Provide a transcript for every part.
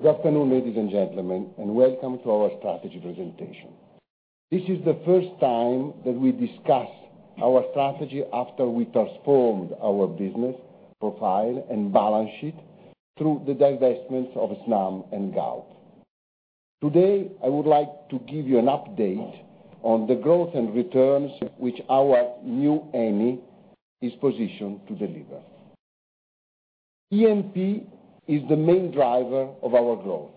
Good afternoon, ladies and gentlemen, and welcome to our strategy presentation. This is the first time that we discuss our strategy after we transformed our business profile and balance sheet through the divestments of Snam and Galp. Today, I would like to give you an update on the growth and returns which our new Eni is positioned to deliver. E&P is the main driver of our growth.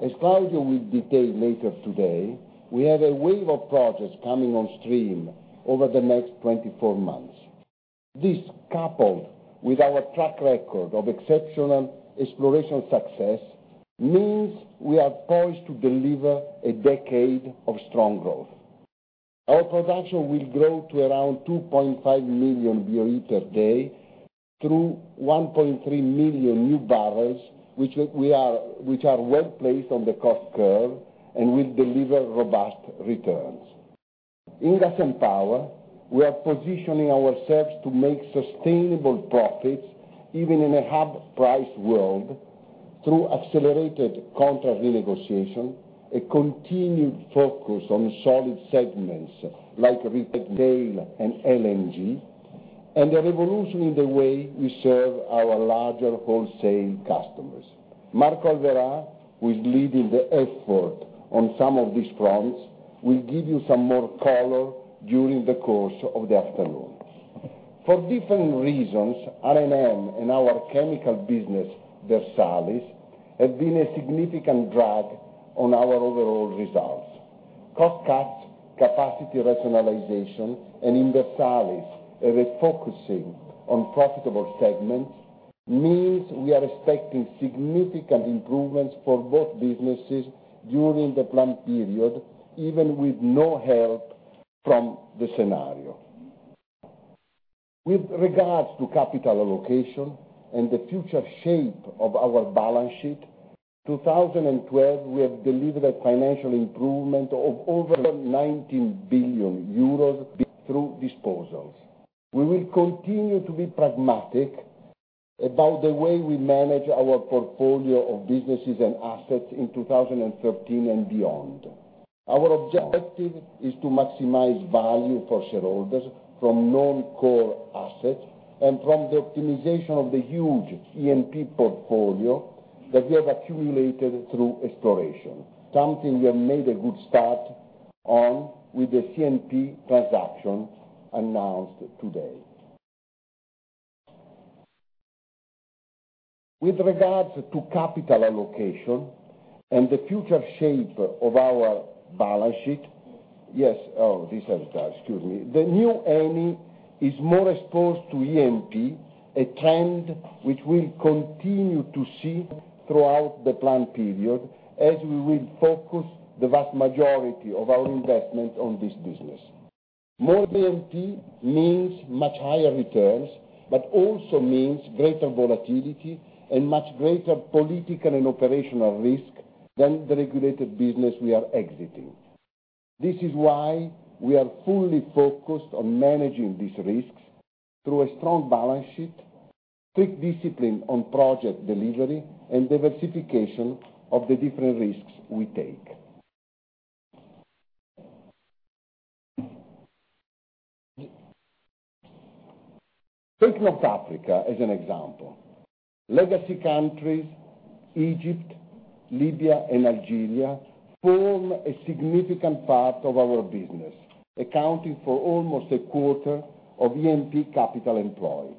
As Claudio will detail later today, we have a wave of projects coming on stream over the next 24 months. This, coupled with our track record of exceptional exploration success, means we are poised to deliver a decade of strong growth. Our production will grow to around 2.5 million barrels per day, through 1.3 million new barrels, which are well-placed on the cost curve and will deliver robust returns. In Gas & Power, we are positioning ourselves to make sustainable profits even in a half-price world through accelerated contract renegotiation, a continued focus on solid segments like retail and LNG, and a revolution in the way we serve our larger wholesale customers. Marco Alverà, who is leading the effort on some of these fronts, will give you some more color during the course of the afternoon. For different reasons, R&M and our chemical business, Versalis, have been a significant drag on our overall results. Cost cuts, capacity rationalization, and in Versalis, a refocusing on profitable segments, means we are expecting significant improvements for both businesses during the plan period, even with no help from the scenario. With regards to capital allocation and the future shape of our balance sheet, 2012, we have delivered a financial improvement of over 19 billion euros through disposals. We will continue to be pragmatic about the way we manage our portfolio of businesses and assets in 2013 and beyond. Our objective is to maximize value for shareholders from non-core assets and from the optimization of the huge E&P portfolio that we have accumulated through exploration, something we have made a good start on with the CNPC transaction announced today. With regards to capital allocation and the future shape of our balance sheet, the new Eni is more exposed to E&P, a trend which we'll continue to see throughout the plan period as we will focus the vast majority of our investment on this business. Also means much higher returns, but also means greater volatility and much greater political and operational risk than the regulated business we are exiting. This is why we are fully focused on managing these risks through a strong balance sheet, strict discipline on project delivery, and diversification of the different risks we take. Take North Africa as an example. Legacy countries, Egypt, Libya, and Algeria, form a significant part of our business, accounting for almost a quarter of E&P capital employed.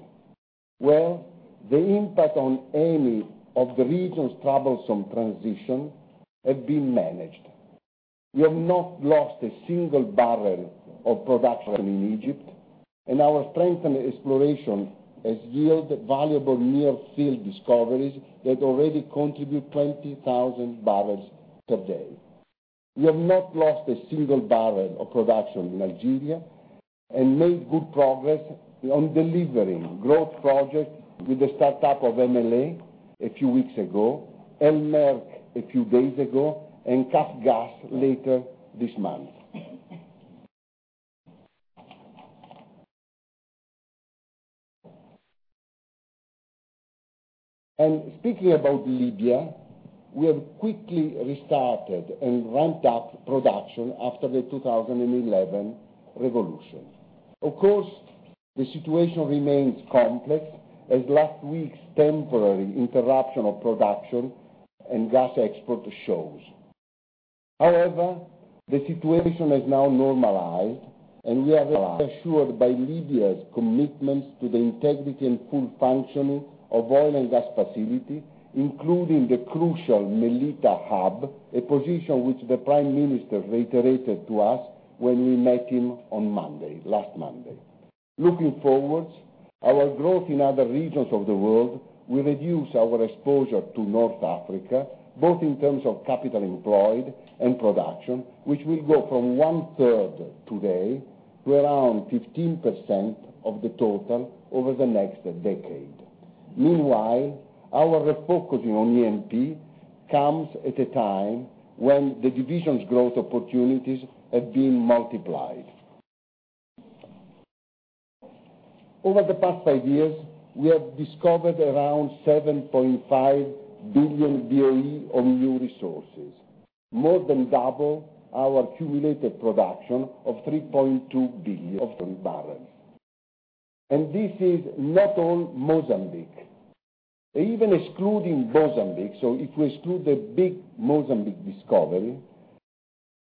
The impact on Eni of the region's troublesome transition have been managed. Our strength in exploration has yielded valuable near-field discoveries that already contribute 20,000 barrels per day. Made good progress on delivering growth projects with the startup of MLE a few weeks ago, El Merk a few days ago, and CAFC later this month. Speaking about Libya, we have quickly restarted and ramped up production after the 2011 revolution. Of course, the situation remains complex, as last week's temporary interruption of production and gas export shows. However, the situation has now normalized, and we are reassured by Libya's commitments to the integrity and full functioning of oil and gas facilities, including the crucial Mellitah hub, a position which the Prime Minister reiterated to us when we met him on Monday, last Monday. Looking forwards, our growth in other regions of the world will reduce our exposure to North Africa, both in terms of capital employed and production, which will go from one-third today to around 15% of the total over the next decade. Meanwhile, our refocusing on E&P comes at a time when the division's growth opportunities have been multiplied. Over the past five years, we have discovered around 7.5 billion BOE of new resources, more than double our cumulative production of 3.2 billion oil barrels. This is not all Mozambique. Even excluding Mozambique, so if we exclude the big Mozambique discovery,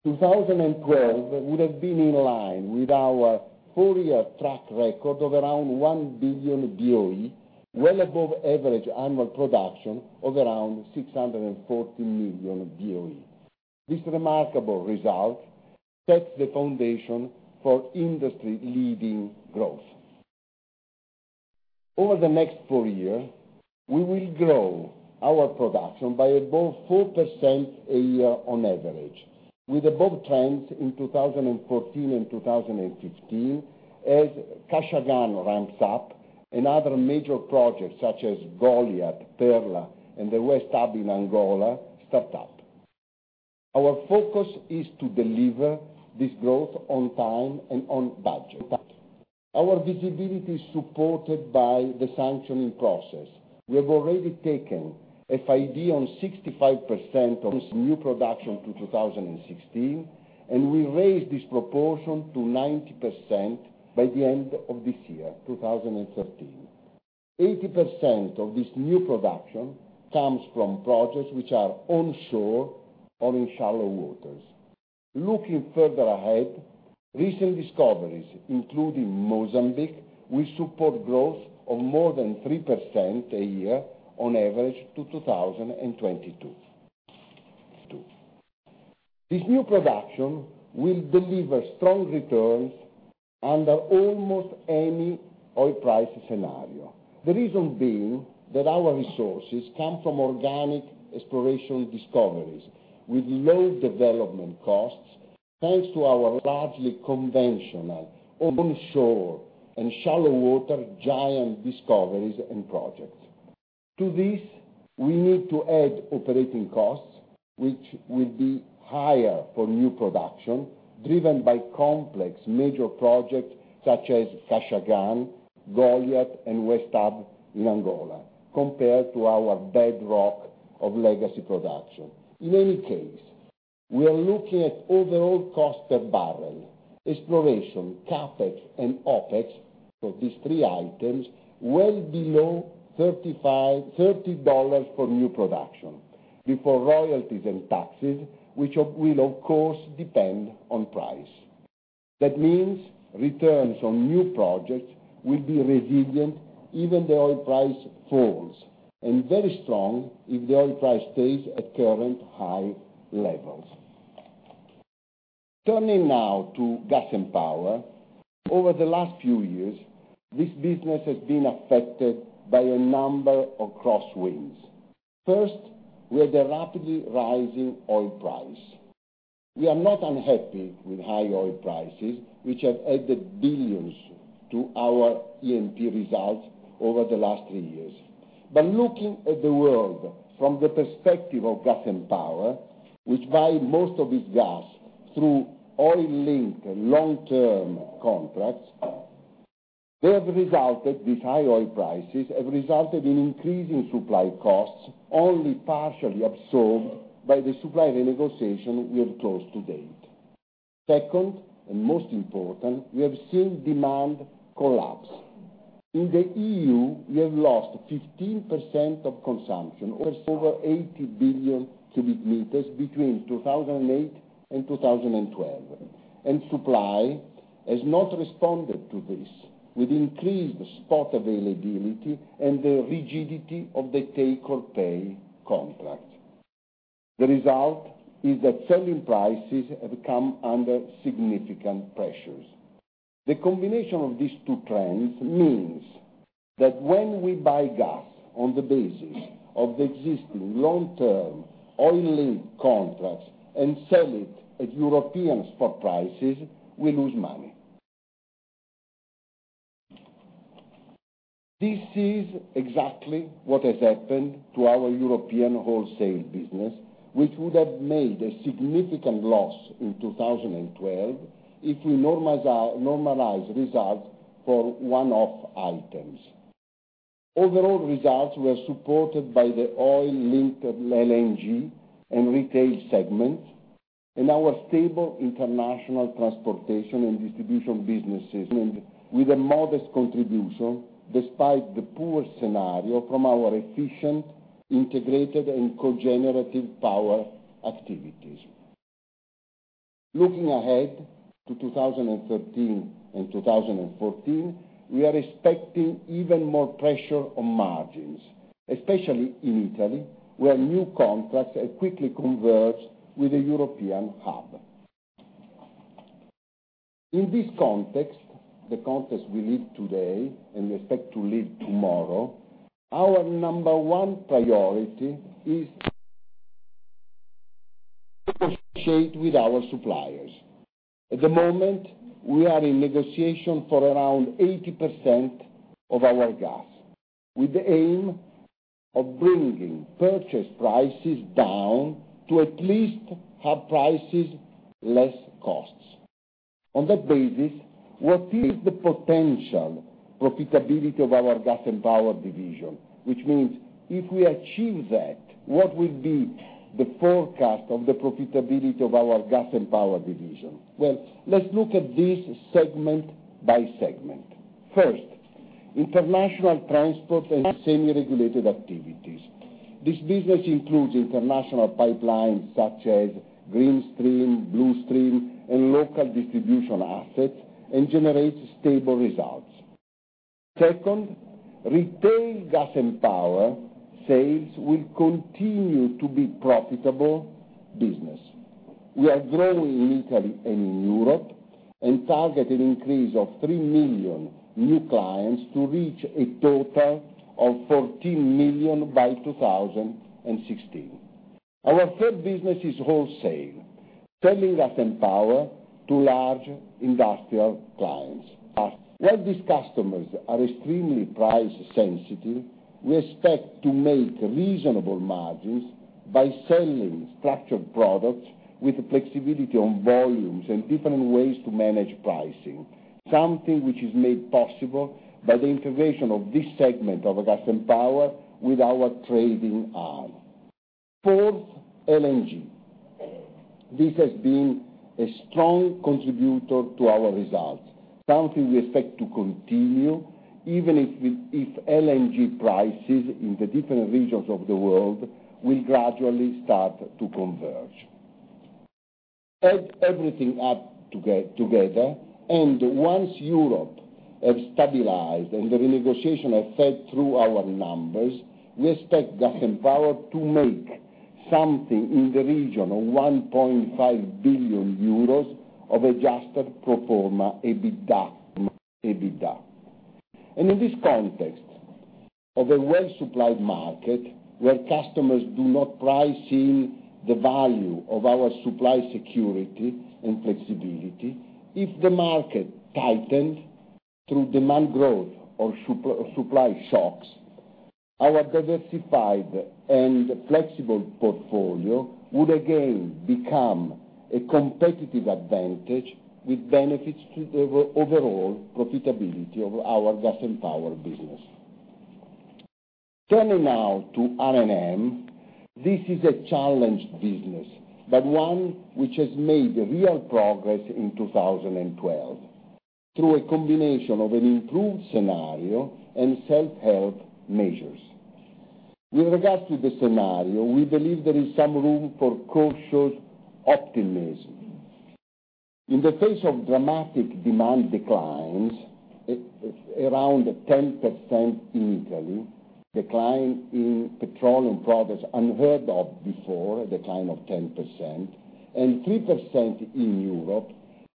2012 would have been in line with our four-year track record of around 1 billion BOE, well above average annual production of around 640 million BOE. This remarkable result sets the foundation for industry-leading growth. Over the next four years, we will grow our production by above 4% a year on average, with above trends in 2014 and 2015 as Kashagan ramps up, and other major projects such as Goliat, Perla, and the West Hub in Angola start up. Our focus is to deliver this growth on time and on budget. Our visibility is supported by the sanctioning process. We have already taken FID on 65% of this new production to 2016, and we raised this proportion to 90% by the end of this year, 2013. 80% of this new production comes from projects which are onshore or in shallow waters. Looking further ahead, recent discoveries, including Mozambique, will support growth of more than 3% a year on average to 2022. This new production will deliver strong returns under almost any oil price scenario. The reason being that our resources come from organic exploration discoveries with low development costs, thanks to our largely conventional onshore and shallow water giant discoveries and projects. To this, we need to add operating costs, which will be higher for new production, driven by complex major projects such as Kashagan, Goliat, and West Hub in Angola, compared to our bedrock of legacy production. In any case, we are looking at overall cost per barrel, exploration, CapEx, and OpEx, so these three items, well below $30 for new production, before royalties and taxes, which will, of course, depend on price. That means returns on new projects will be resilient even if the oil price falls, and very strong if the oil price stays at current high levels. Turning now to Gas & Power. Over the last few years, this business has been affected by a number of crosswinds. First, we had a rapidly rising oil price. We are not unhappy with high oil prices, which have added billions to our Eni results over the last three years. Looking at the world from the perspective of Gas & Power, which buys most of its gas through oil-linked long-term contracts, these high oil prices have resulted in increasing supply costs, only partially absorbed by the supply renegotiation we have closed to date. Second, and most important, we have seen demand collapse. In the EU, we have lost 15% of consumption, or over 80 billion cubic meters between 2008 and 2012, and supply has not responded to this, with increased spot availability and the rigidity of the take-or-pay contract. The result is that selling prices have come under significant pressures. The combination of these two trends means that when we buy gas on the basis of the existing long-term oil link contracts and sell it at European spot prices, we lose money. This is exactly what has happened to our European wholesale business, which would have made a significant loss in 2012 if we normalize results for one-off items. Overall results were supported by the oil-linked LNG and retail segments, and our stable international transportation and distribution businesses, with a modest contribution despite the poor scenario from our efficient, integrated, and cogenerative power activities. Looking ahead to 2013 and 2014, we are expecting even more pressure on margins, especially in Italy, where new contracts have quickly converged with the European hub. In this context, the context we live today and we expect to live tomorrow, our number 1 priority is to negotiate with our suppliers. At the moment, we are in negotiation for around 80% of our gas. With the aim of bringing purchase prices down to at least have prices less costs. On that basis, what is the potential profitability of our Gas & Power division? Which means, if we achieve that, what will be the forecast of the profitability of our Gas & Power division? Let's look at this segment by segment. First, international transport and semi-regulated activities. This business includes international pipelines such as GreenStream, Blue Stream, and local distribution assets, and generates stable results. Second, retail Gas & Power sales will continue to be profitable business. We are growing in Italy and in Europe, and target an increase of 3 million new clients to reach a total of 14 million by 2016. Our third business is wholesale, selling Gas & Power to large industrial clients. While these customers are extremely price-sensitive, we expect to make reasonable margins by selling structured products with flexibility on volumes and different ways to manage pricing, something which is made possible by the integration of this segment of Gas & Power with our trading arm. Fourth, LNG. This has been a strong contributor to our results, something we expect to continue, even if LNG prices in the different regions of the world will gradually start to converge. Add everything up together, and once Europe have stabilized and the renegotiation effect through our numbers, we expect Gas & Power to make something in the region of 1.5 billion euros of adjusted pro forma EBITDA. In this context of a well-supplied market, where customers do not price in the value of our supply security and flexibility, if the market tightened through demand growth or supply shocks, our diversified and flexible portfolio would again become a competitive advantage with benefits to the overall profitability of our Gas & Power business. Turning now to R&M. This is a challenged business, but one which has made real progress in 2012, through a combination of an improved scenario and self-help measures. With regard to the scenario, we believe there is some room for cautious optimism. In the face of dramatic demand declines, around 10% in Italy, decline in petroleum products unheard of before, decline of 10%, and 3% in Europe,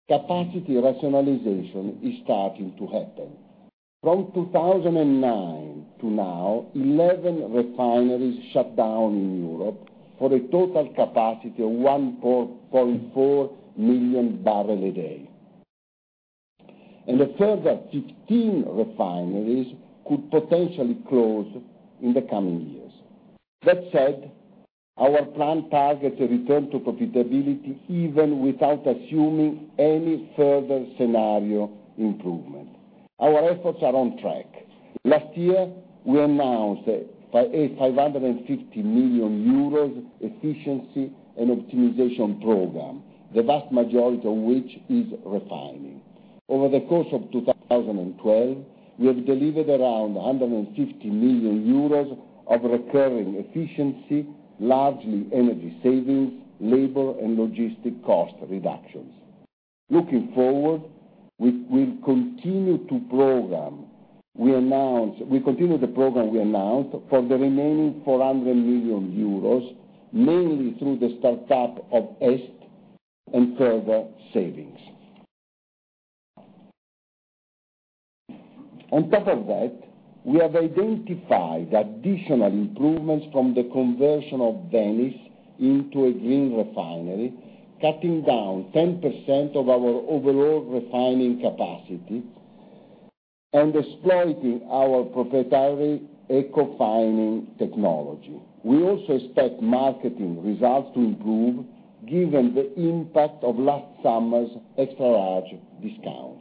capacity rationalization is starting to happen. From 2009 to now, 11 refineries shut down in Europe for a total capacity of 1.4 million barrel a day. A further 15 refineries could potentially close in the coming years. That said, our plan targets a return to profitability even without assuming any further scenario improvement. Our efforts are on track. Last year, we announced a 550 million euros efficiency and optimization program, the vast majority of which is refining. Over the course of 2012, we have delivered around 150 million euros of recurring efficiency, largely energy savings, labor, and logistic cost reductions. Looking forward, we'll continue the program we announced for the remaining 400 million euros, mainly through the startup of EST and further savings. On top of that, we have identified additional improvements from the conversion of Venice into a green refinery, cutting down 10% of our overall refining capacity and exploiting our proprietary Ecofining technology. We also expect marketing results to improve given the impact of last summer's extra-large discount.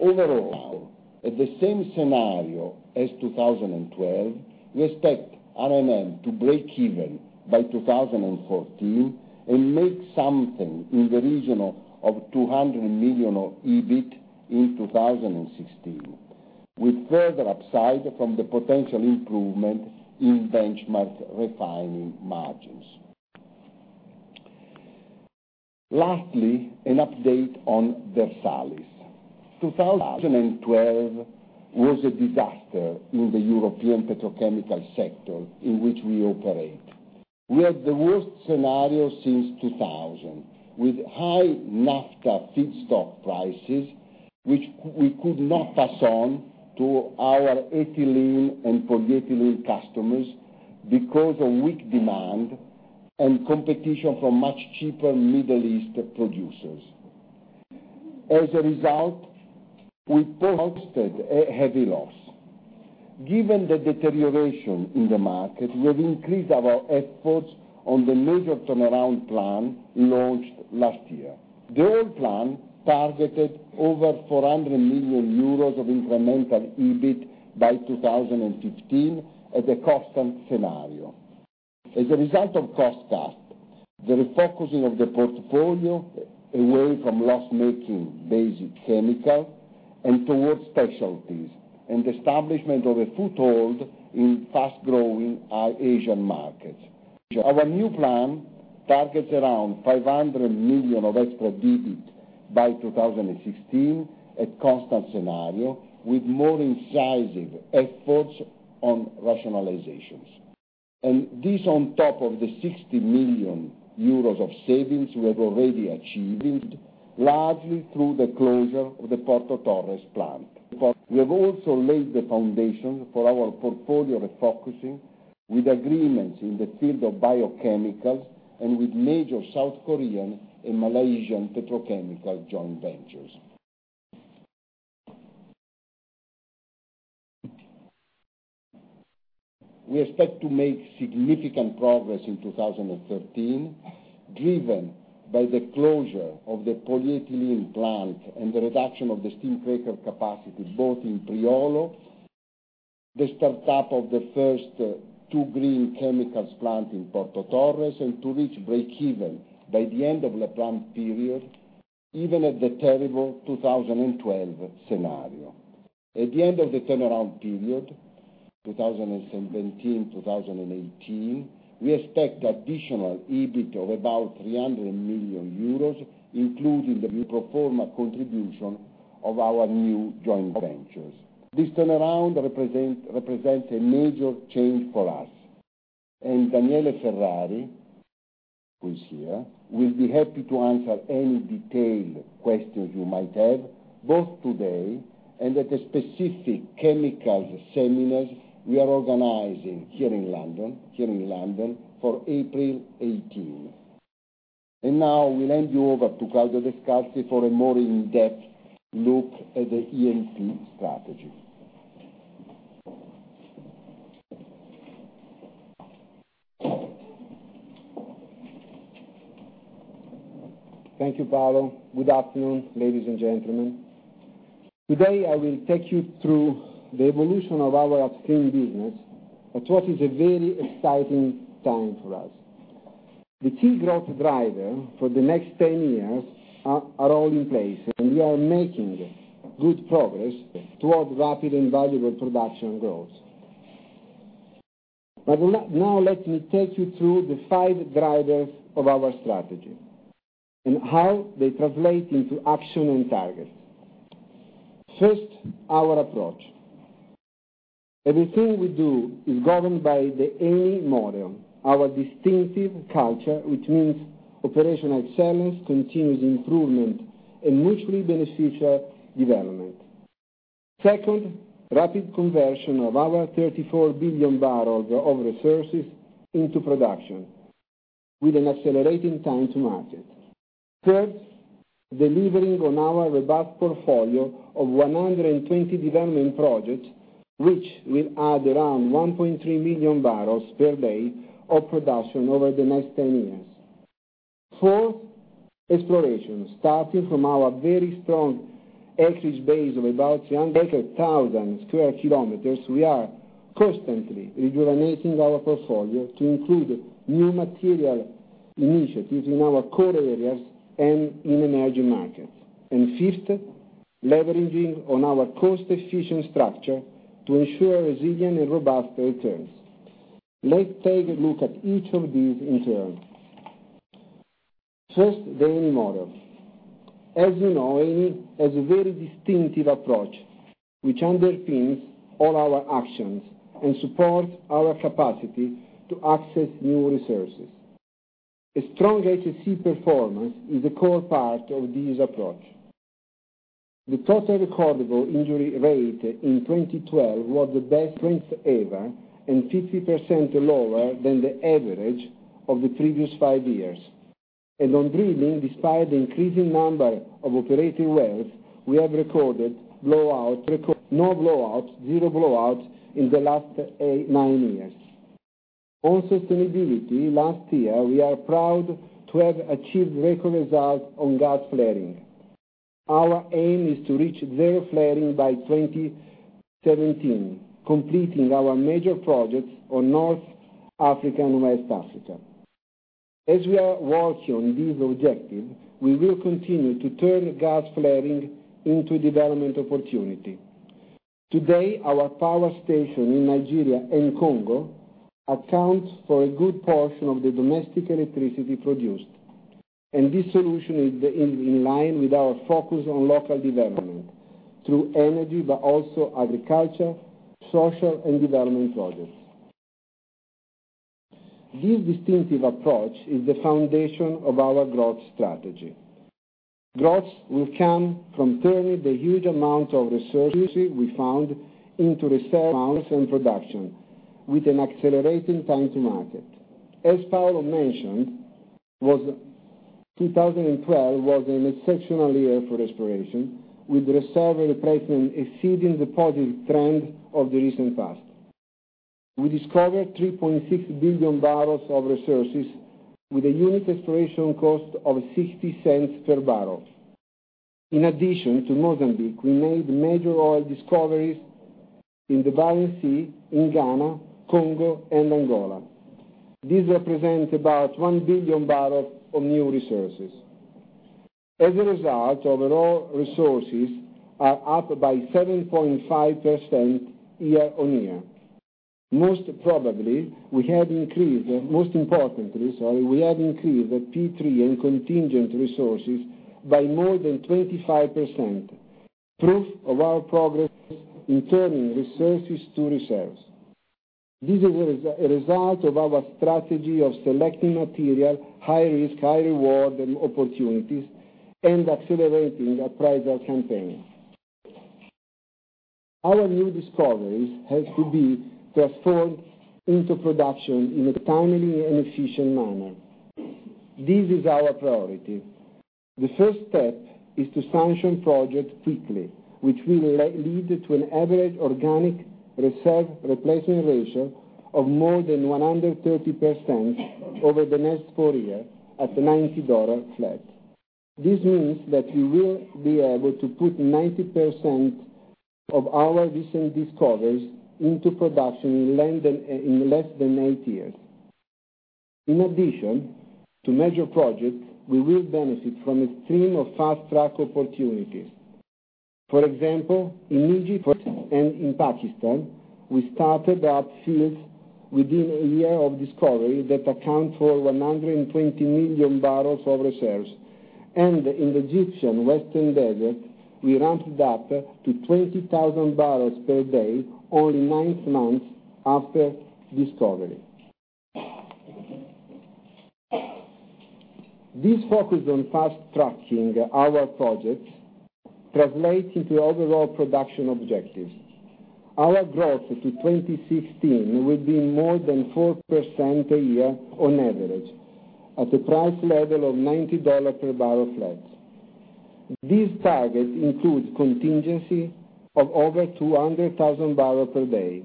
Overall, at the same scenario as 2012, we expect R&M to break even by 2014 and make something in the region of 200 million of EBIT in 2016, with further upside from the potential improvement in benchmark refining margins. Lastly, an update on Versalis. 2012 was a disaster in the European petrochemical sector in which we operate. We had the worst scenario since 2000, with high naphtha feedstock prices, which we could not pass on to our ethylene and polyethylene customers because of weak demand and competition from much cheaper Middle East producers. As a result, we posted a heavy loss. Given the deterioration in the market, we have increased our efforts on the major turnaround plan launched last year. The old plan targeted over 400 million euros of incremental EBIT by 2015 at the constant scenario. As a result of cost cut, the refocusing of the portfolio away from loss-making basic chemical and towards specialties, and establishment of a foothold in fast-growing Asian markets. Our new plan targets around 500 million of extra EBIT by 2016, at constant scenario, with more incisive efforts on rationalizations. This on top of the 60 million euros of savings we have already achieved, largely through the closure of the Porto Torres plant. We have also laid the foundation for our portfolio refocusing with agreements in the field of biochemicals and with major South Korean and Malaysian petrochemical joint ventures. We expect to make significant progress in 2013, driven by the closure of the polyethylene plant and the reduction of the steam cracker capacity, both in Priolo, the startup of the first two green chemicals plant in Porto Torres, and to reach breakeven by the end of the plan period, even at the terrible 2012 scenario. At the end of the turnaround period, 2017/2018, we expect additional EBIT of about 300 million euros, including the pro forma contribution of our new joint ventures. This turnaround represents a major change for us. Daniele Ferrari, who is here, will be happy to answer any detailed questions you might have, both today and at the specific chemicals seminars we are organizing here in London for April 18. Now I will hand you over to Claudio Descalzi for a more in-depth look at the E&P strategy. Thank you, Paolo. Good afternoon, ladies and gentlemen. Today, I will take you through the evolution of our upstream business at what is a very exciting time for us. The key growth driver for the next 10 years are all in place, and we are making good progress towards rapid and valuable production growth. Now let me take you through the five drivers of our strategy and how they translate into action and targets. First, our approach. Everything we do is governed by the Eni model, our distinctive culture, which means operational excellence, continuous improvement, and mutually beneficial development. Second, rapid conversion of our 34 billion barrels of resources into production with an accelerating time to market. Third, delivering on our robust portfolio of 120 development projects, which will add around 1.3 million barrels per day of production over the next 10 years. Fourth, exploration. Starting from our very strong acreage base of about 300,000 square kilometers, we are constantly rejuvenating our portfolio to include new material initiatives in our core areas and in emerging markets. Fifth, leveraging on our cost-efficient structure to ensure resilient and robust returns. Let's take a look at each of these in turn. First, the Eni model. As you know, Eni has a very distinctive approach, which underpins all our actions and supports our capacity to access new resources. A strong HSE performance is a core part of this approach. The total recordable injury rate in 2012 was the best ever and 50% lower than the average of the previous five years. On drilling, despite the increasing number of operating wells, we have recorded no blowouts, zero blowouts, in the last nine years. On sustainability, last year, we are proud to have achieved record results on gas flaring. Our aim is to reach zero flaring by 2017, completing our major projects on North Africa and West Africa. As we are working on this objective, we will continue to turn gas flaring into a development opportunity. Today, our power station in Nigeria and Congo accounts for a good portion of the domestic electricity produced, and this solution is in line with our focus on local development through energy, but also agriculture, social, and development projects. This distinctive approach is the foundation of our growth strategy. Growth will come from turning the huge amount of resources we found into reserves and production, with an accelerating time to market. As Paolo mentioned, 2012 was an exceptional year for exploration, with reserve replacement exceeding the positive trend of the recent past. We discovered 3.6 billion barrels of resources with a unit exploration cost of 0.60 per barrel. In addition to Mozambique, we made major oil discoveries in the Barents Sea, in Ghana, Congo, and Angola. These represent about one billion barrels of new resources. As a result, overall resources are up by 7.5% year-on-year. Most importantly, we have increased the 3P and contingent resources by more than 25%, proof of our progress in turning resources to reserves. This is a result of our strategy of selecting material, high risk, high reward opportunities, and accelerating appraisal campaigns. Our new discoveries have to be transformed into production in a timely and efficient manner. This is our priority. The first step is to sanction projects quickly, which will lead to an average organic reserve replacement ratio of more than 130% over the next four years at $90 flat. This means that we will be able to put 90% of our recent discoveries into production in less than eight years. In addition to major projects, we will benefit from a stream of fast-track opportunities. For example, in Egypt and in Pakistan, we started up fields within one year of discovery that account for 120 million barrels of reserves, and in the Egyptian Western Desert, we ramped up to 20,000 barrels per day only nine months after discovery. This focus on fast-tracking our projects translates into overall production objectives. Our growth to 2016 will be more than 4% a year on average, at a price level of $90 per barrel flat. This target includes contingency of over 200,000 barrels per day.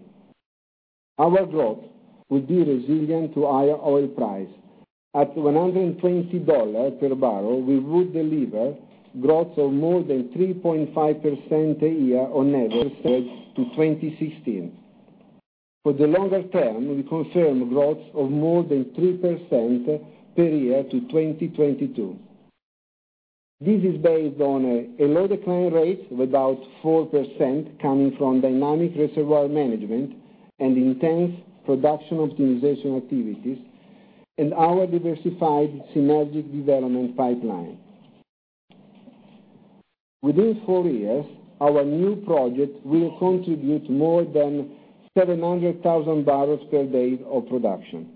Our growth will be resilient to higher oil price. At $120 per barrel, we would deliver growth of more than 3.5% a year on average to 2016. For the longer term, we confirm growth of more than 3% per year to 2022. This is based on a low decline rate, without 4% coming from dynamic reservoir management and intense production optimization activities, and our diversified synergic development pipeline. Within four years, our new project will contribute more than 700,000 barrels per day of production.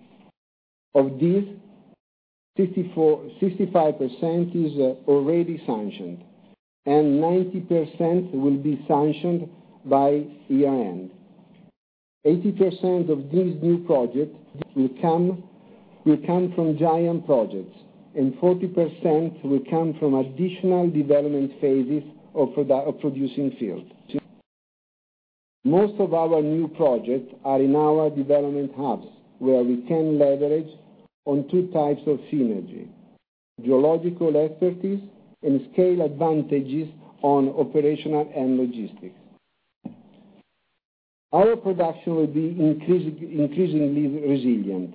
Of this, 65% is already sanctioned, and 90% will be sanctioned by year-end. 80% of these new projects will come from giant projects, and 40% will come from additional development phases of producing fields. Most of our new projects are in our development hubs, where we can leverage on two types of synergy, geological expertise, and scale advantages on operational and logistics. Our production will be increasingly resilient.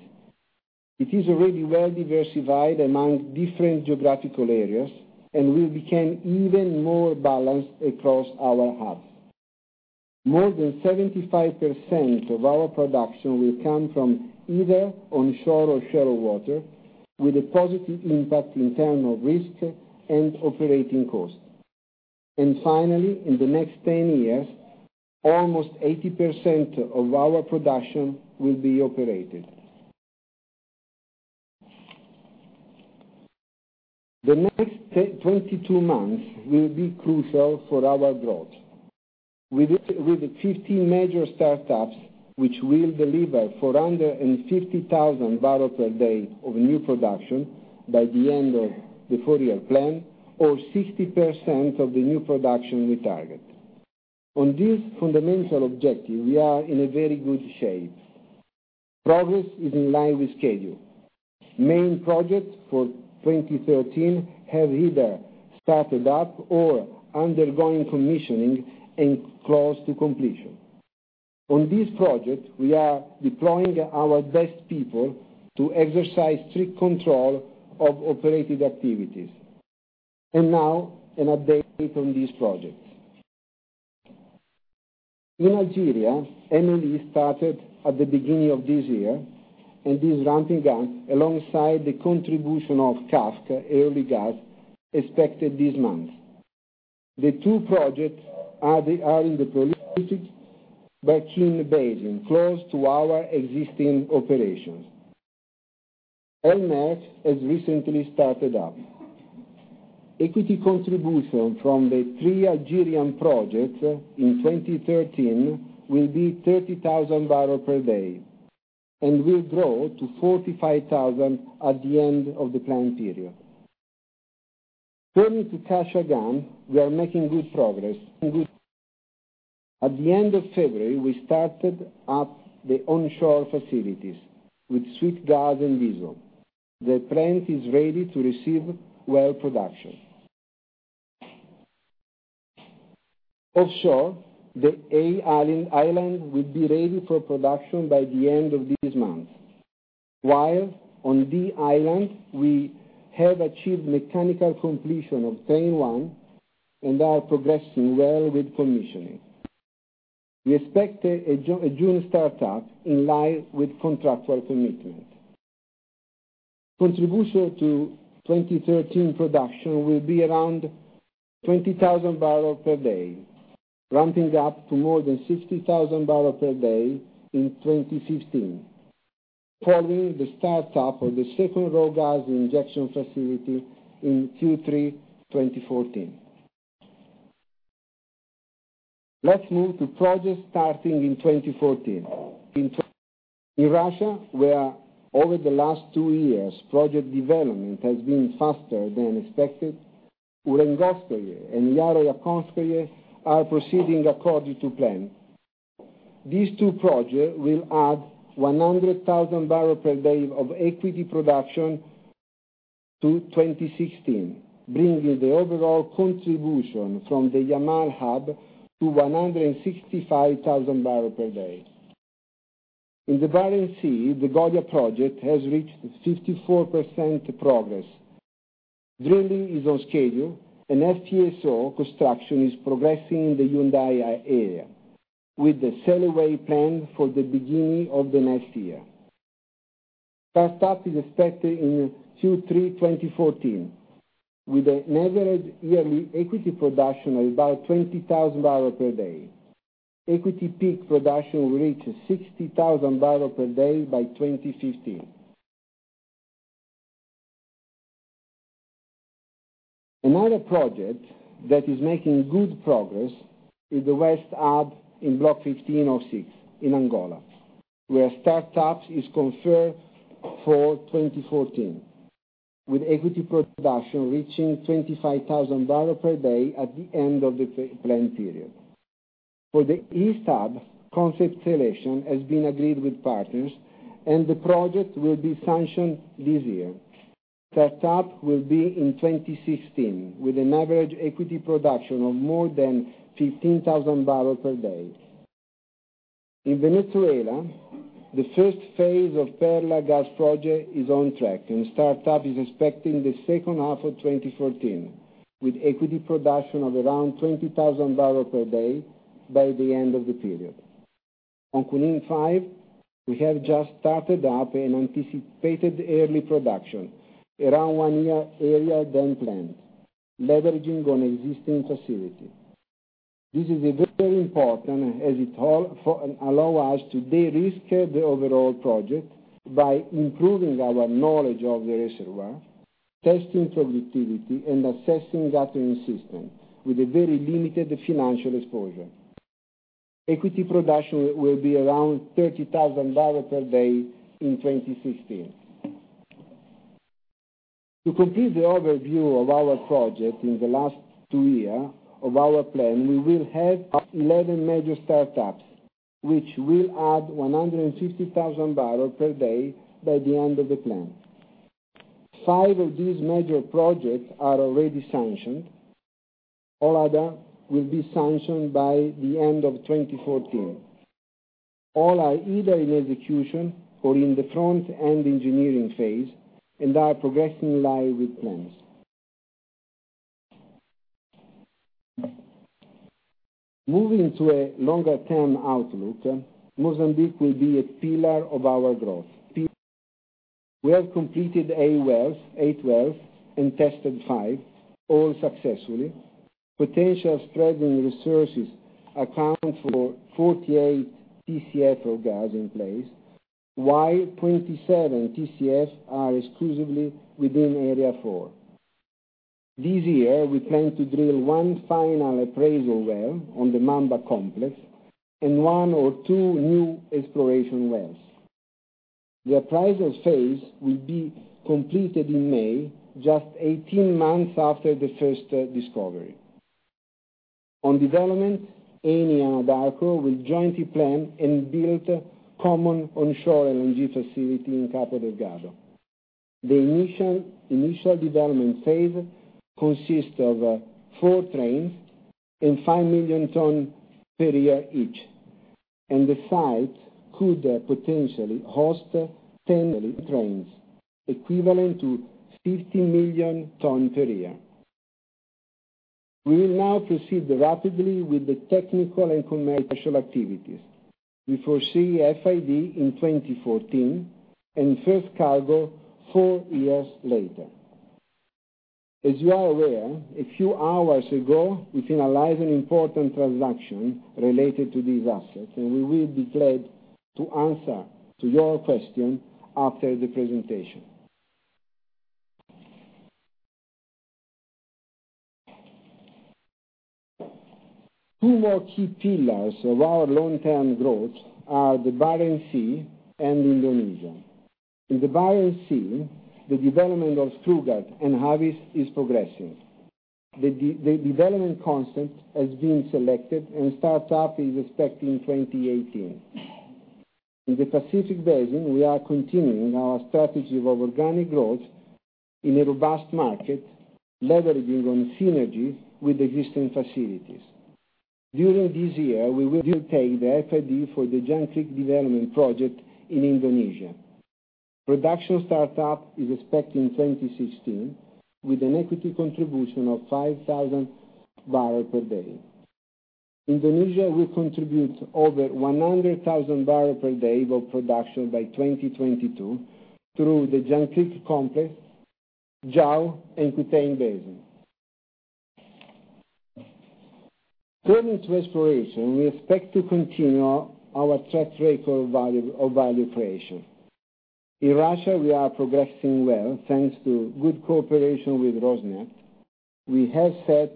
It is already well-diversified among different geographical areas and will become even more balanced across our hubs. More than 75% of our production will come from either onshore or shallow water, with a positive impact in term of risk and operating cost. And finally, in the next 10 years, almost 80% of our production will be operated. The next 22 months will be crucial for our growth. With the 15 major startups, which will deliver 450,000 barrels per day of new production by the end of the four-year plan or 60% of the new production we target. On this fundamental objective, we are in a very good shape. Progress is in line with schedule. Main projects for 2013 have either started up or undergoing commissioning and close to completion. On this project, we are deploying our best people to exercise strict control of operated activities. And now, an update on this project. In Algeria, MLE started at the beginning of this year, is ramping up alongside the contribution of K7 early gas expected this month. The two projects are in the Berkine Basin, close to our existing operations. El Merk has recently started up. Equity contribution from the three Algerian projects in 2013 will be 30,000 barrels per day and will grow to 45,000 at the end of the plan period. Turning to Kashagan, we are making good progress. At the end of February, we started up the onshore facilities with sweet gas and diesel. The plant is ready to receive well production. Offshore, the A island will be ready for production by the end of this month, while on D island, we have achieved mechanical completion of Train 1 and are progressing well with commissioning. We expect a June start-up in line with contractual commitment. Contribution to 2013 production will be around 20,000 barrels per day, ramping up to more than 60,000 barrels per day in 2015, following the start-up of the second raw gas injection facility in Q3 2014. Let's move to projects starting in 2014. In Russia, where over the last two years, project development has been faster than expected, [inaudible] are proceeding according to plan. These two projects will add 100,000 barrels per day of equity production to 2016, bringing the overall contribution from the Yamal hub to 165,000 barrels per day. In the Barents Sea, the Goliat project has reached 54% progress. Drilling is on schedule, and FPSO construction is progressing in the Hyundai area, with the sail away planned for the beginning of the next year. Start-up is expected in Q3 2014, with an average yearly equity production of about 20,000 barrels per day. Equity peak production will reach 60,000 barrels per day by 2015. Another project that is making good progress is the West Hub in Block 1506 in Angola, where start-up is confirmed for 2014, with equity production reaching 25,000 barrels per day at the end of the plan period. For the East Hub, concept selection has been agreed with partners, the project will be sanctioned this year. Start-up will be in 2016 with an average equity production of more than 15,000 barrels per day. In Venezuela, the first phase of Perla gas project is on track, start-up is expected in the second half of 2014, with equity production of around 20,000 barrels per day by the end of the period. On Junin-5, we have just started up an anticipated early production around one year earlier than planned, leveraging on existing facilities. This is very important as it allows us to de-risk the overall project by improving our knowledge of the reservoir, testing productivity, and assessing gathering system with a very limited financial exposure. Equity production will be around 30,000 barrels per day in 2016. To complete the overview of our projects in the last two years of our plan, we will have 11 major start-ups, which will add 150,000 barrels per day by the end of the plan. Five of these major projects are already sanctioned. All others will be sanctioned by the end of 2014. All are either in execution or in the front-end engineering phase, are progressing in line with plans. Moving to a longer-term outlook, Mozambique will be a pillar of our growth. We have completed eight wells and tested five, all successfully. Potential proven resources account for 48 Tcf of gas in place, while 27 Tcf are exclusively within Area 4. This year, we plan to drill one final appraisal well on the Mamba complex and one or two new exploration wells. The appraisal phase will be completed in May, just 18 months after the first discovery. On development, Eni and Anadarko will jointly plan and build a common onshore LNG facility in Cabo Delgado. The initial development phase consists of four trains and 5 million tonnes per year each, and the site could potentially host 10 trains, equivalent to 50 million tonnes per year. We will now proceed rapidly with the technical and commercial activities. We foresee FID in 2014 and first cargo four years later. As you are aware, a few hours ago, we finalized an important transaction related to these assets. To answer to your question after the presentation. Two more key pillars of our long-term growth are the Barents Sea and Indonesia. In the Barents Sea, the development of Sleipner and Wisting is progressing. The development concept has been selected, and startup is expected in 2018. In the Pacific basin, we are continuing our strategy of organic growth in a robust market, leveraging on synergy with existing facilities. During this year, we will take the FID for the Jangkrik development project in Indonesia. Production startup is expected in 2016, with an equity contribution of 5,000 barrels per day. Indonesia will contribute over 100,000 barrels per day of production by 2022 through the Jangkrik complex, Jau and Kutai Basin. Turning to exploration, we expect to continue our track record of value creation. In Russia, we are progressing well thanks to good cooperation with Rosneft. We have set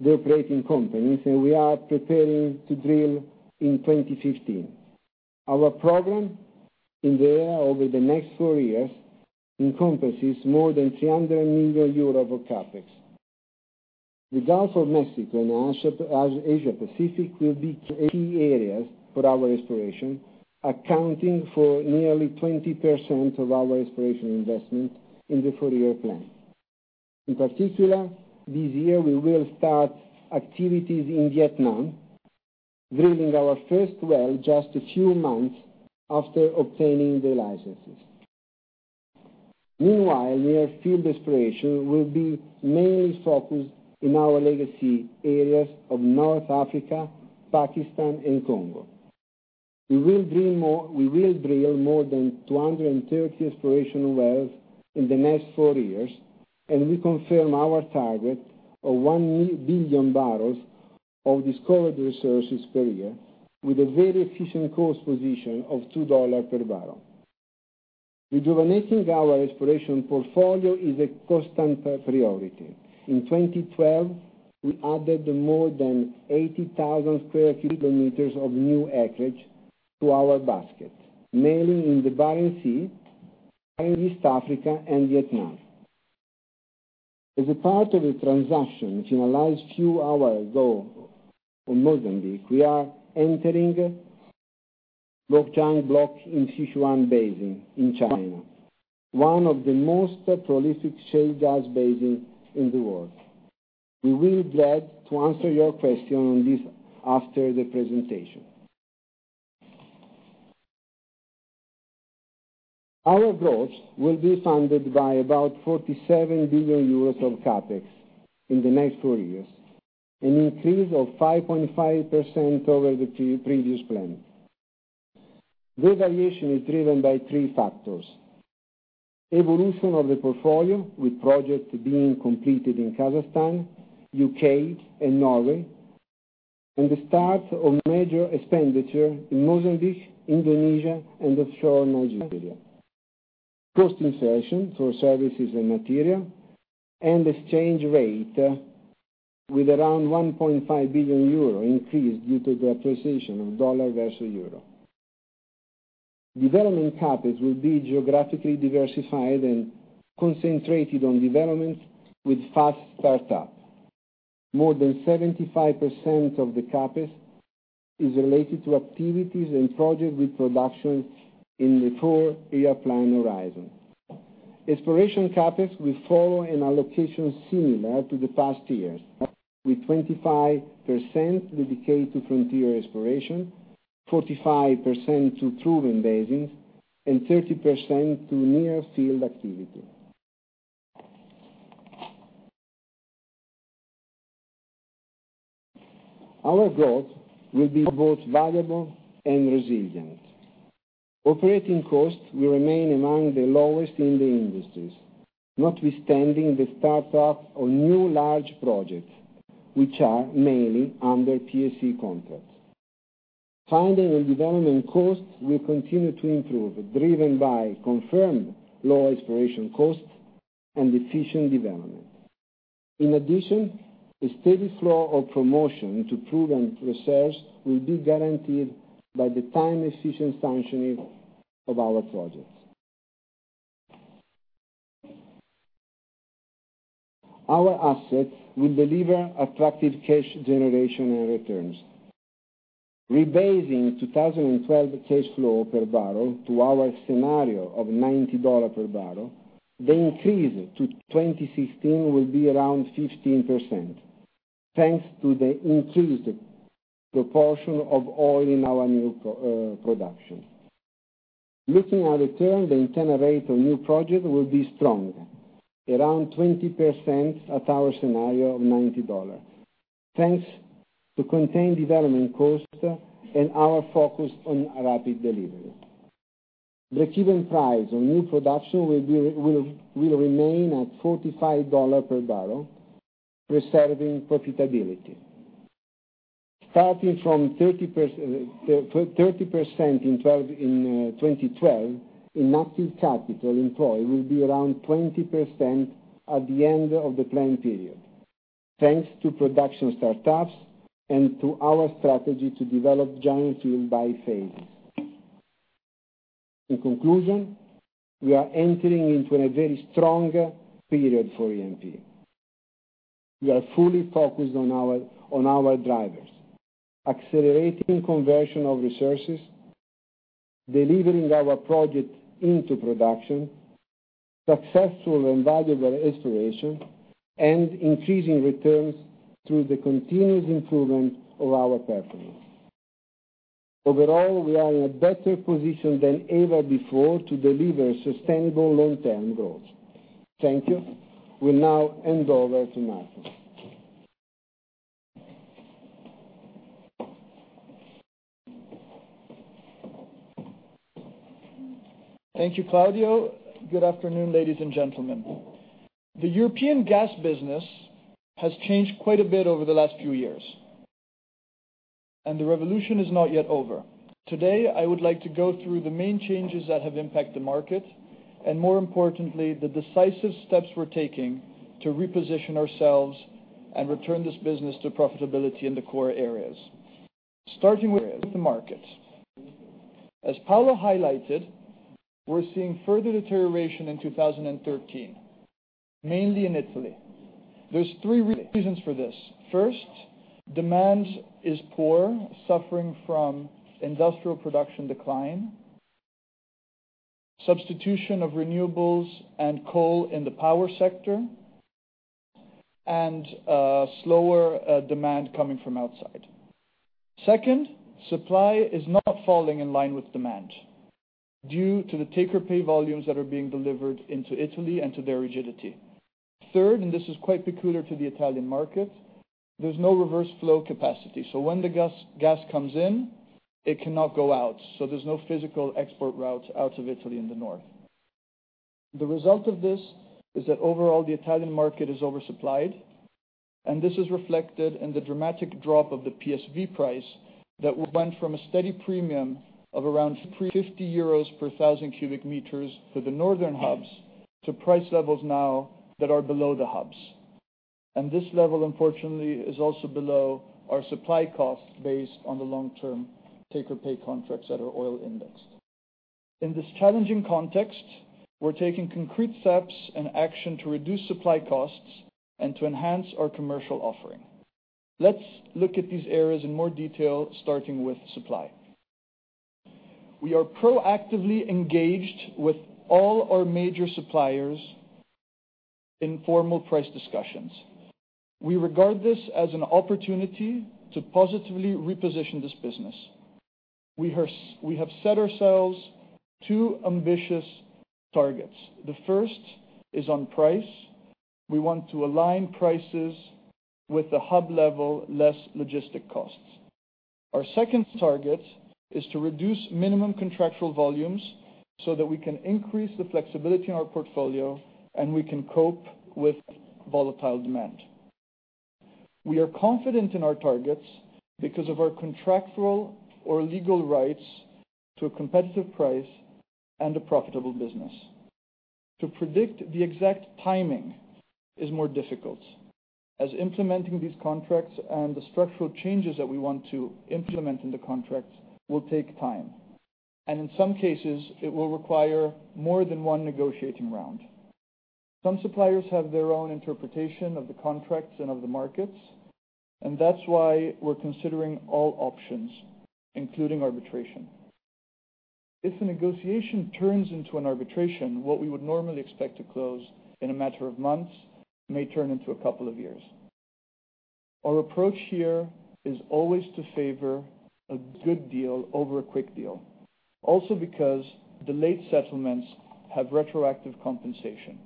the operating companies, and we are preparing to drill in 2015. Our program in there over the next four years encompasses more than 300 million euros of CapEx. The Gulf of Mexico and Asia Pacific will be key areas for our exploration, accounting for nearly 20% of our exploration investment in the four-year plan. In particular, this year we will start activities in Vietnam, drilling our first well just a few months after obtaining the licenses. Meanwhile, near field exploration will be mainly focused in our legacy areas of North Africa, Pakistan, and Congo. We will drill more than 230 exploration wells in the next four years. We confirm our target of 1 billion barrels of discovered resources per year with a very efficient cost position of $2 per barrel. Rejuvenating our exploration portfolio is a constant priority. In 2012, we added more than 80,000 square kilometers of new acreage to our basket, mainly in the Barents Sea, in East Africa and Vietnam. As a part of the transaction which finalized a few hours ago on Mozambique, we are entering Rongchang block in Sichuan Basin in China, one of the most prolific shale gas basins in the world. We will be glad to answer your question on this after the presentation. Our growth will be funded by about 47 billion euros of CapEx in the next four years, an increase of 5.5% over the previous plan. The variation is driven by three factors. Evolution of the portfolio, with projects being completed in Kazakhstan, U.K., and Norway, and the start of major expenditure in Mozambique, Indonesia, and offshore Nigeria. Cost inflation for services and material, and exchange rate with around 1.5 billion euro increase due to the appreciation of U.S. dollar versus euro. Development CapEx will be geographically diversified and concentrated on development with fast startup. More than 75% of the CapEx is related to activities and project with production in the four-year plan horizon. Exploration CapEx will follow an allocation similar to the past years, with 25% dedicated to frontier exploration, 45% to proven basins, and 30% to near-field activity. Our growth will be both valuable and resilient. Operating costs will remain among the lowest in the industries, notwithstanding the startup of new large projects, which are mainly under PSC contracts. Finding and development costs will continue to improve, driven by confirmed low exploration costs and efficient development. In addition, a steady flow of promotion to proven reserves will be guaranteed by the time-efficient functioning of our projects. Our assets will deliver attractive cash generation and returns. Rebasing 2012 cash flow per barrel to our scenario of $90 per barrel, the increase to 2016 will be around 15%, thanks to the increased proportion of oil in our new production. Looking at return, the internal rate on new projects will be strong, around 20% at our scenario of $90, thanks to contained development costs and our focus on rapid delivery. Breakeven price on new production will remain at $45 per barrel, preserving profitability. Starting from 30% in 2012, inactive capital employed will be around 20% at the end of the plan period, thanks to production startups and to our strategy to develop giant field by phase. In conclusion, we are entering into a very strong period for Eni. We are fully focused on our drivers, accelerating conversion of resources, delivering our project into production, successful and valuable exploration, and increasing returns through the continuous improvement of our performance. Overall, we are in a better position than ever before to deliver sustainable long-term growth. Thank you. We now hand over to Marco. Thank you, Claudio. Good afternoon, ladies and gentlemen. The European gas business has changed quite a bit over the last few years, and the revolution is not yet over. Today, I would like to go through the main changes that have impacted the market, and more importantly, the decisive steps we're taking to reposition ourselves and return this business to profitability in the core areas. Starting with the market. As Paolo highlighted, we're seeing further deterioration in 2013, mainly in Italy. There's three reasons for this. First, demand is poor, suffering from industrial production decline, substitution of renewables and coal in the power sector, and slower demand coming from outside. Second, supply is not falling in line with demand due to the take-or-pay volumes that are being delivered into Italy and to their rigidity. Third, and this is quite peculiar to the Italian market, there's no reverse flow capacity, so when the gas comes in, it cannot go out. There's no physical export routes out of Italy in the north. The result of this is that overall the Italian market is oversupplied, and this is reflected in the dramatic drop of the PSV price that went from a steady premium of around 350 euros per thousand cubic meters for the northern hubs to price levels now that are below the hubs. This level, unfortunately, is also below our supply cost based on the long-term take-or-pay contracts that are oil indexed. In this challenging context, we're taking concrete steps and action to reduce supply costs and to enhance our commercial offering. Let's look at these areas in more detail, starting with supply. We are proactively engaged with all our major suppliers in formal price discussions. We regard this as an opportunity to positively reposition this business. We have set ourselves two ambitious targets. The first is on price. We want to align prices with the hub level, less logistic costs. Our second target is to reduce minimum contractual volumes so that we can increase the flexibility in our portfolio, and we can cope with volatile demand. We are confident in our targets because of our contractual or legal rights to a competitive price and a profitable business. To predict the exact timing is more difficult, as implementing these contracts and the structural changes that we want to implement in the contracts will take time, and in some cases, it will require more than one negotiating round. Some suppliers have their own interpretation of the contracts and of the markets, and that's why we're considering all options, including arbitration. If the negotiation turns into an arbitration, what we would normally expect to close in a matter of months may turn into a couple of years. Our approach here is always to favor a good deal over a quick deal. Also because delayed settlements have retroactive compensation,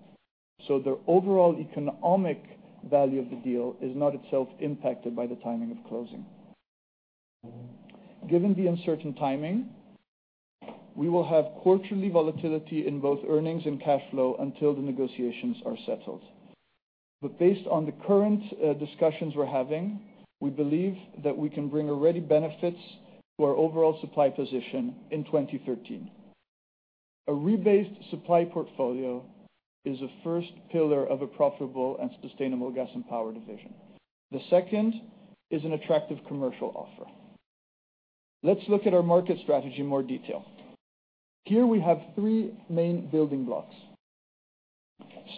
so the overall economic value of the deal is not itself impacted by the timing of closing. Given the uncertain timing, we will have quarterly volatility in both earnings and cash flow until the negotiations are settled. Based on the current discussions we're having, we believe that we can bring ready benefits to our overall supply position in 2013. A rebased supply portfolio is the first pillar of a profitable and sustainable Gas & Power division. The second is an attractive commercial offer. Let's look at our market strategy in more detail. Here we have three main building blocks.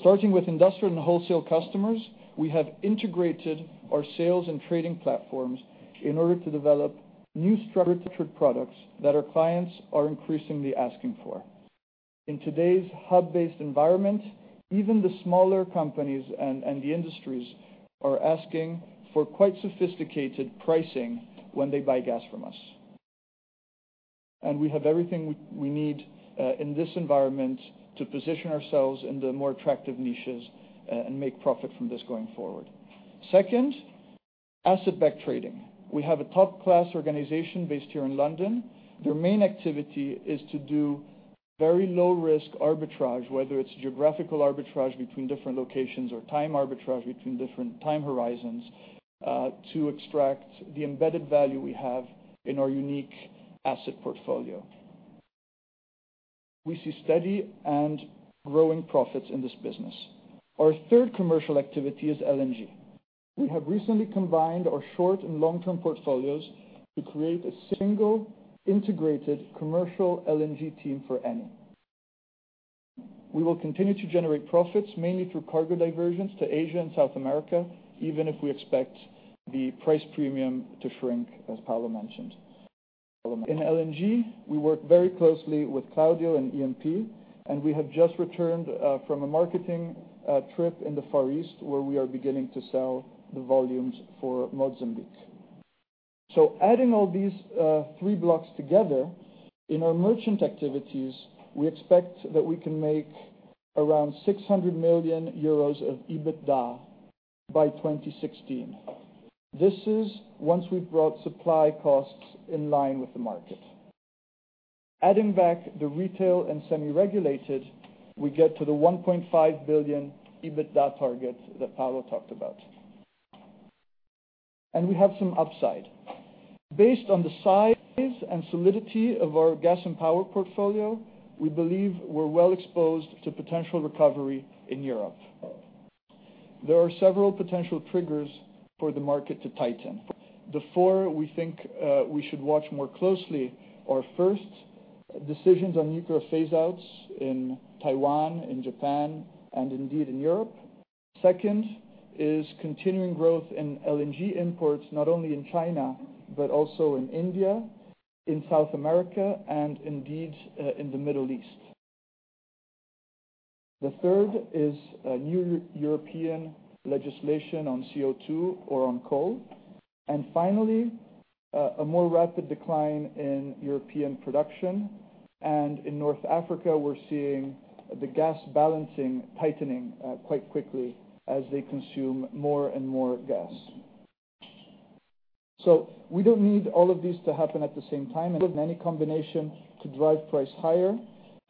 Starting with industrial and wholesale customers, we have integrated our sales and trading platforms in order to develop new structured products that our clients are increasingly asking for. In today's hub-based environment, even the smaller companies and the industries are asking for quite sophisticated pricing when they buy gas from us. We have everything we need in this environment to position ourselves in the more attractive niches and make profit from this going forward. Second Asset-backed trading. We have a top-class organization based here in London. Their main activity is to do very low-risk arbitrage, whether it's geographical arbitrage between different locations or time arbitrage between different time horizons, to extract the embedded value we have in our unique asset portfolio. We see steady and growing profits in this business. Our third commercial activity is LNG. We have recently combined our short and long-term portfolios to create a single integrated commercial LNG team for Eni. We will continue to generate profits mainly through cargo diversions to Asia and South America, even if we expect the price premium to shrink, as Paolo mentioned. In LNG, we work very closely with Claudio and E&P, and we have just returned from a marketing trip in the Far East, where we are beginning to sell the volumes for Mozambique. Adding all these three blocks together, in our merchant activities, we expect that we can make around 600 million euros of EBITDA by 2016. This is once we've brought supply costs in line with the market. Adding back the retail and semi-regulated, we get to the 1.5 billion EBITDA target that Paolo talked about. We have some upside. Based on the size and solidity of our Gas & Power portfolio, we believe we're well exposed to potential recovery in Europe. There are several potential triggers for the market to tighten. The four we think we should watch more closely are: first, decisions on nuclear phase-outs in Taiwan, in Japan, and indeed in Europe. Second is continuing growth in LNG imports, not only in China, but also in India, in South America, and indeed, in the Middle East. The third is new European legislation on CO2 or on coal. Finally, a more rapid decline in European production. In North Africa, we're seeing the gas balancing tightening quite quickly as they consume more and more gas. We don't need all of these to happen at the same time and any combination to drive price higher,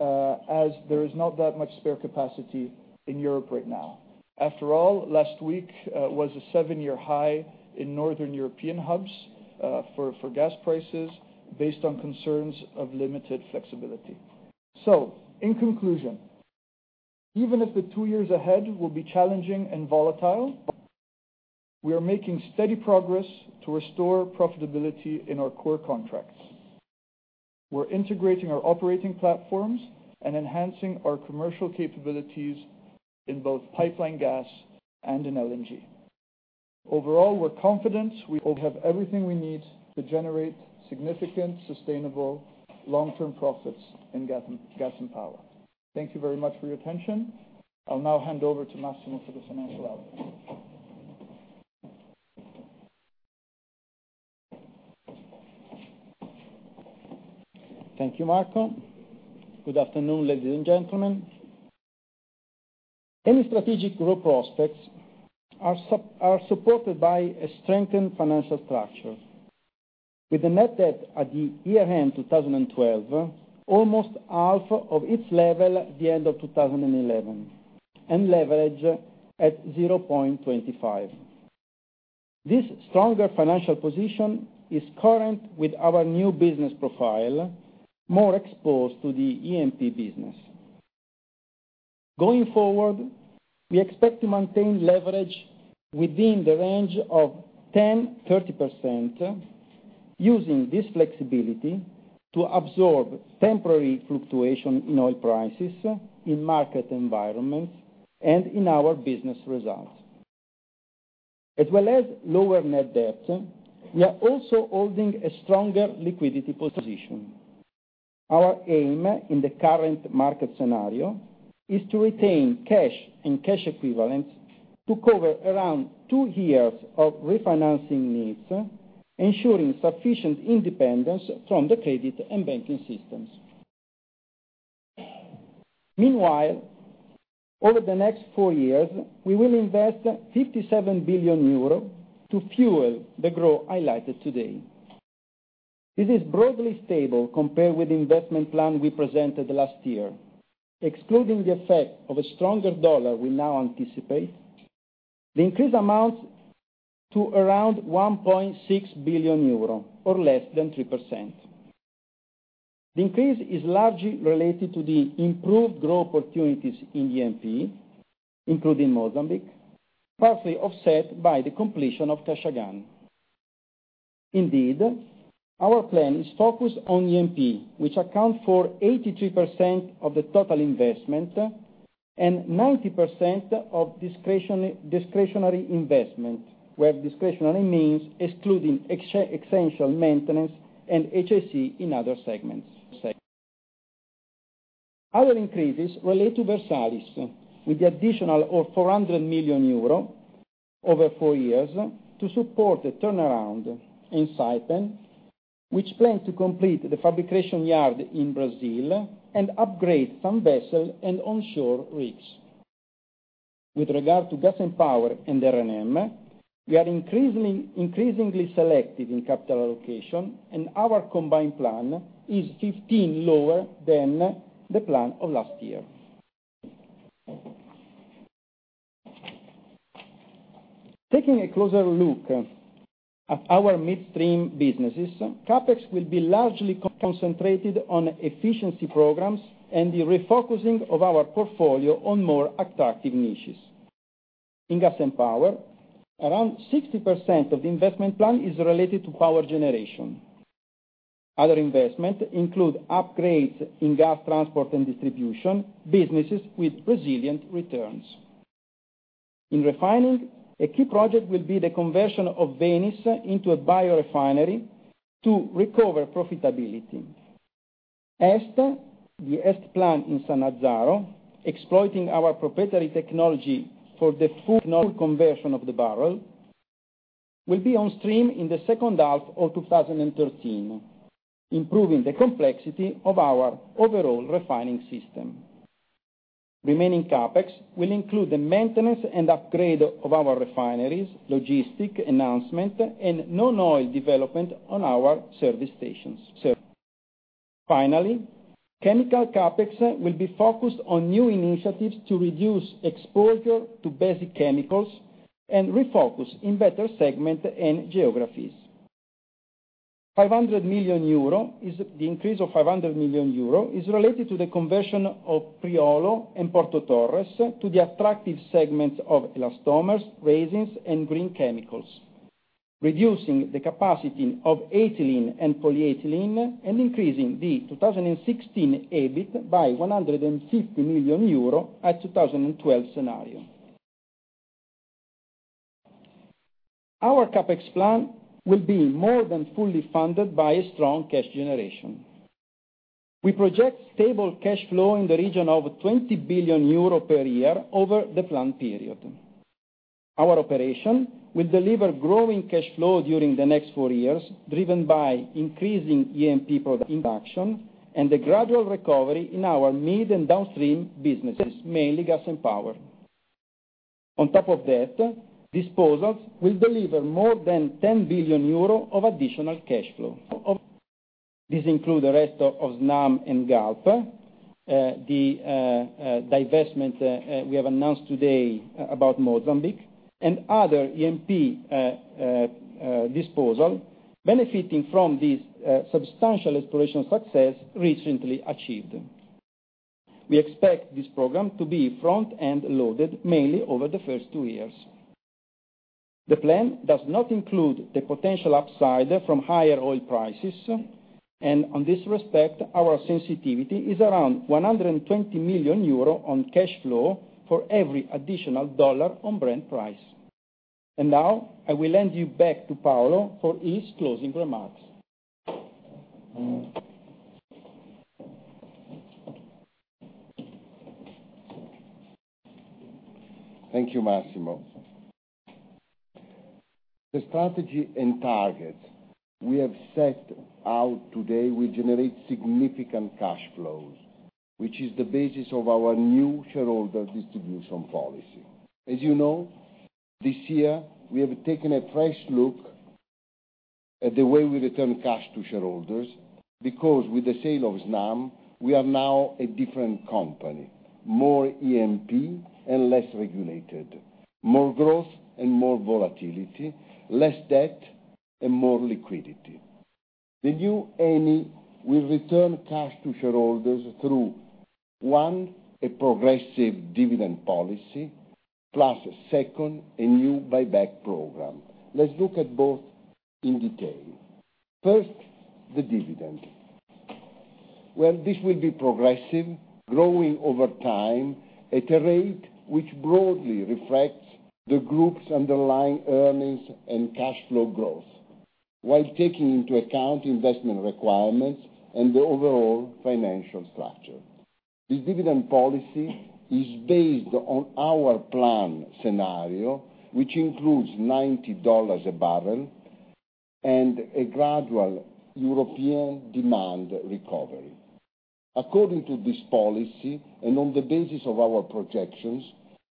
as there is not that much spare capacity in Europe right now. After all, last week was a seven-year high in Northern European hubs for gas prices based on concerns of limited flexibility. In conclusion, even if the two years ahead will be challenging and volatile, we are making steady progress to restore profitability in our core contracts. We're integrating our operating platforms and enhancing our commercial capabilities in both pipeline gas and in LNG. Overall, we're confident we have everything we need to generate significant, sustainable, long-term profits in Gas & Power. Thank you very much for your attention. I'll now hand over to Massimo for the financial outlook. Thank you, Marco. Good afternoon, ladies and gentlemen. Eni strategic growth prospects are supported by a strengthened financial structure. With the net debt at the year-end 2012, almost half of its level at the end of 2011, and leverage at 0.25. This stronger financial position is current with our new business profile, more exposed to the E&P business. Going forward, we expect to maintain leverage within the range of 10%-30%, using this flexibility to absorb temporary fluctuation in oil prices, in market environments, and in our business results. As well as lower net debt, we are also holding a stronger liquidity position. Our aim in the current market scenario is to retain cash and cash equivalents to cover around two years of refinancing needs, ensuring sufficient independence from the credit and banking systems. Meanwhile, over the next four years, we will invest 57 billion euros to fuel the growth highlighted today. This is broadly stable compared with the investment plan we presented last year. Excluding the effect of a stronger dollar we now anticipate, the increase amounts to around 1.6 billion euro or less than 3%. The increase is largely related to the improved growth opportunities in E&P, including Mozambique, partly offset by the completion of Kashagan. Indeed, our plan is focused on E&P, which accounts for 83% of the total investment and 90% of discretionary investment, where discretionary means excluding essential maintenance and HSE in other segments. Other increases relate to Versalis, with the addition of 400 million euro over four years to support the turnaround in Saipem, which plans to complete the fabrication yard in Brazil and upgrade some vessels and onshore rigs. With regard to Gas & Power and R&M, we are increasingly selective in capital allocation, and our combined plan is 15% lower than the plan of last year. Taking a closer look at our midstream businesses, CapEx will be largely concentrated on efficiency programs and the refocusing of our portfolio on more attractive niches. In Gas & Power, around 60% of the investment plan is related to power generation. Other investment include upgrades in gas transport and distribution, businesses with resilient returns. In refining, a key project will be the conversion of Venice into a biorefinery to recover profitability. The EST plan in Sannazzaro, exploiting our proprietary technology for the full conversion of the barrel, will be on stream in the second half of 2013, improving the complexity of our overall refining system. Remaining CapEx will include the maintenance and upgrade of our refineries, logistic enhancement, and non-oil development on our service stations. Finally, chemical CapEx will be focused on new initiatives to reduce exposure to basic chemicals and refocus on better segments and geographies. The increase of 500 million euro is related to the conversion of Priolo and Porto Torres to the attractive segments of elastomers, resins, and green chemicals, reducing the capacity of ethylene and polyethylene and increasing the 2016 EBIT by 150 million euro at 2012 scenario. Our CapEx plan will be more than fully funded by a strong cash generation. We project stable cash flow in the region of 20 billion euro per year over the plan period. Our operation will deliver growing cash flow during the next four years, driven by increasing E&P production and the gradual recovery in our mid and downstream businesses, mainly Gas & Power. On top of that, disposals will deliver more than 10 billion euro of additional cash flow. These include the rest of Snam and Galp, the divestment we have announced today about Mozambique, and other E&P disposals, benefiting from this substantial exploration success recently achieved. We expect this program to be front-end loaded mainly over the first two years. The plan does not include the potential upside from higher oil prices, and on this respect, our sensitivity is around 120 million euro on cash flow for every additional USD on Brent price. Now I will hand you back to Paolo for his closing remarks. Thank you, Massimo. The strategy and targets we have set out today will generate significant cash flows, which is the basis of our new shareholder distribution policy. As you know, this year, we have taken a fresh look at the way we return cash to shareholders, because with the sale of Snam, we are now a different company, more E&P and less regulated, more growth and more volatility, less debt and more liquidity. The new Eni will return cash to shareholders through, one, a progressive dividend policy, plus, second, a new buyback program. Let's look at both in detail. First, the dividend. Well, this will be progressive, growing over time at a rate which broadly reflects the group's underlying earnings and cash flow growth while taking into account investment requirements and the overall financial structure. This dividend policy is based on our plan scenario, which includes $90 a barrel and a gradual European demand recovery. According to this policy and on the basis of our projections,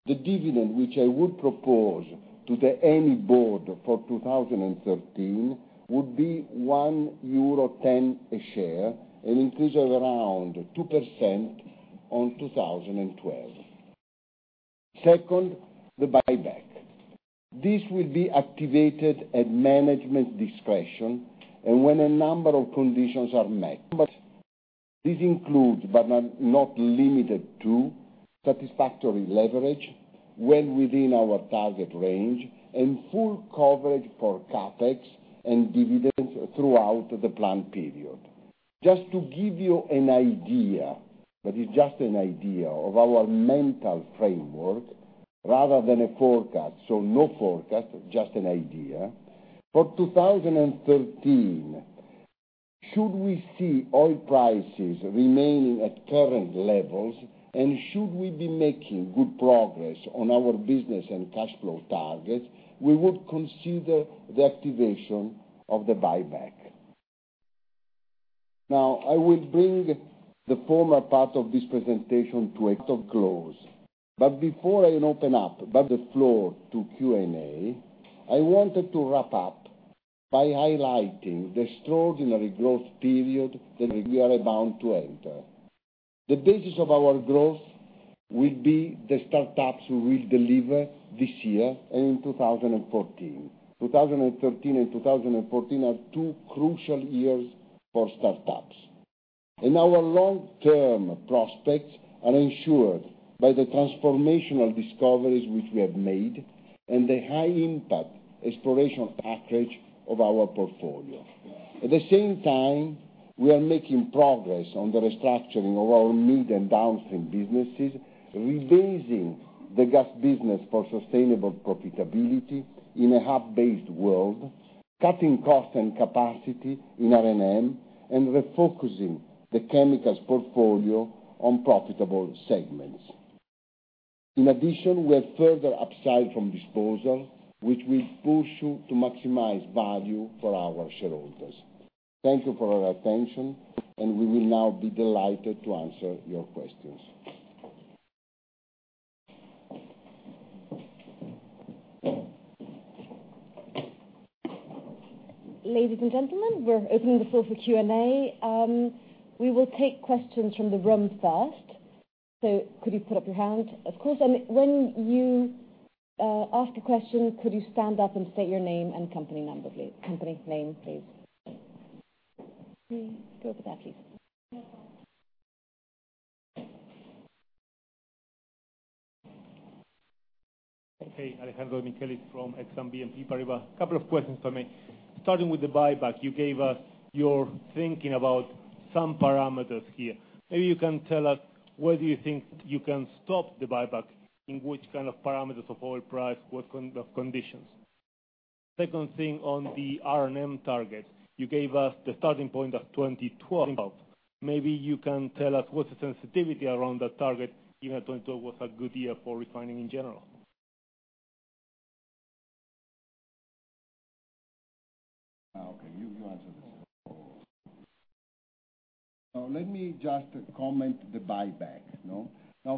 the dividend which I would propose to the Eni board for 2013 would be 1.10 euro a share, an increase of around 2% on 2012. Second, the buyback. This will be activated at management discretion and when a number of conditions are met. These include, but are not limited to, satisfactory leverage well within our target range, and full coverage for CapEx and dividends throughout the plan period. Just to give you an idea, but it's just an idea of our mental framework rather than a forecast. No forecast, just an idea. For 2013, should we see oil prices remaining at current levels, and should we be making good progress on our business and cash flow targets, we would consider the activation of the buyback. Now, I will bring the former part of this presentation to a close. Before I open up the floor to Q&A, I wanted to wrap up by highlighting the extraordinary growth period that we are about to enter. The basis of our growth will be the start-ups we will deliver this year and in 2014. 2013 and 2014 are two crucial years for start-ups. Our long-term prospects are ensured by the transformational discoveries which we have made and the high-impact exploration package of our portfolio. At the same time, we are making progress on the restructuring of our mid and downstream businesses, rebasing the gas business for sustainable profitability in a hub-based world, cutting cost and capacity in R&M, refocusing the chemicals portfolio on profitable segments. In addition, we are further upside from disposal, which will push to maximize value for our shareholders. Thank you for your attention, we will now be delighted to answer your questions. Ladies and gentlemen, we're opening the floor for Q&A. We will take questions from the room first. Could you put up your hand, of course, and when you ask a question, could you stand up and state your name and company name, please? Can you go over there, please? Hey, Alessandro Micheli from Exane BNP Paribas. Couple of questions for me. Starting with the buyback, you gave us your thinking about some parameters here. Maybe you can tell us where do you think you can stop the buyback, in which kind of parameters of oil price, what kind of conditions? Second thing on the R&M target, you gave us the starting point of 2012. Maybe you can tell us what's the sensitivity around that target, given that 2012 was a good year for refining in general. Okay, you answer this. Let me just comment the buyback.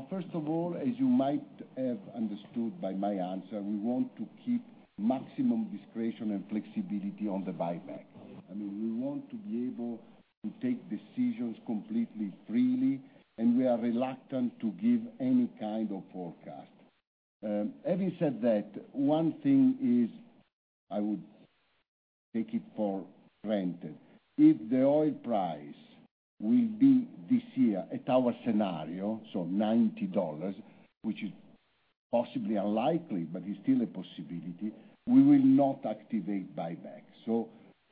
First of all, as you might have understood by my answer, we want to keep maximum discretion and flexibility on the buyback. We want to be able to take decisions completely freely, and we are reluctant to give any kind of forecast. Having said that, one thing is I would take it for granted. If the oil price will be this year at our scenario, EUR 90, which is possibly unlikely, but is still a possibility, we will not activate buyback.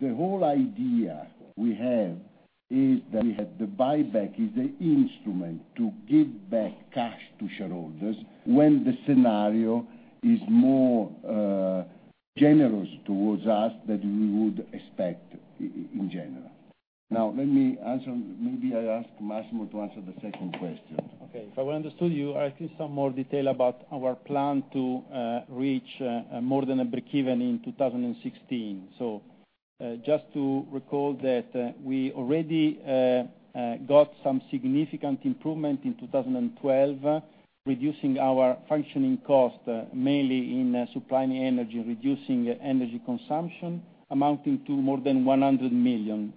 The whole idea we have is that the buyback is an instrument to give back cash to shareholders when the scenario is more generous towards us than we would expect in general. Now, let me answer. Maybe I ask Massimo to answer the second question. Okay. If I understood you, I think some more detail about our plan to reach more than a breakeven in 2016. Just to recall that we already got some significant improvement in 2012, reducing our functioning cost, mainly in supplying energy, reducing energy consumption, amounting to more than 100 million.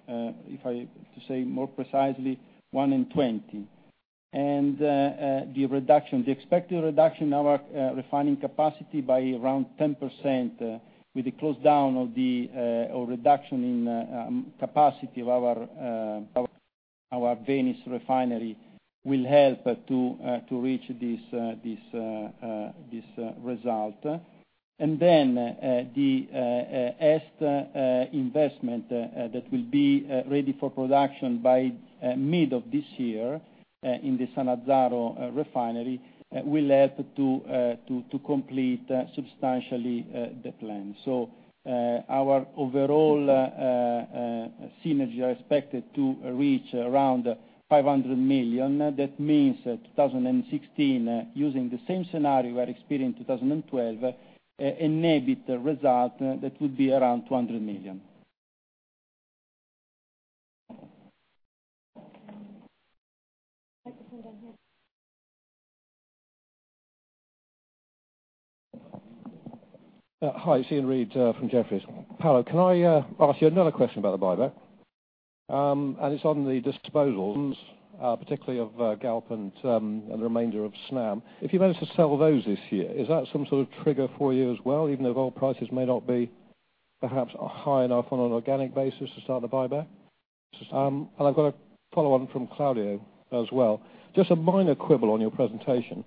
If I say more precisely, 120. The expected reduction in our refining capacity by around 10%, with the close down or reduction in capacity of our Venice refinery will help to reach this result. The EST investment that will be ready for production by mid of this year in the Sannazzaro refinery will help to complete substantially the plan. Our overall synergy are expected to reach around 500 million. That means that 2016, using the same scenario we are experiencing in 2012, an EBIT result that would be around 200 million. Microphone down here. Hi, Iain Reid from Jefferies. Paolo, can I ask you another question about the buyback? It's on the disposals, particularly of Galp and the remainder of Snam. If you manage to sell those this year, is that some sort of trigger for you as well, even though oil prices may not be perhaps high enough on an organic basis to start the buyback? I've got a follow on from Claudio as well. Just a minor quibble on your presentation.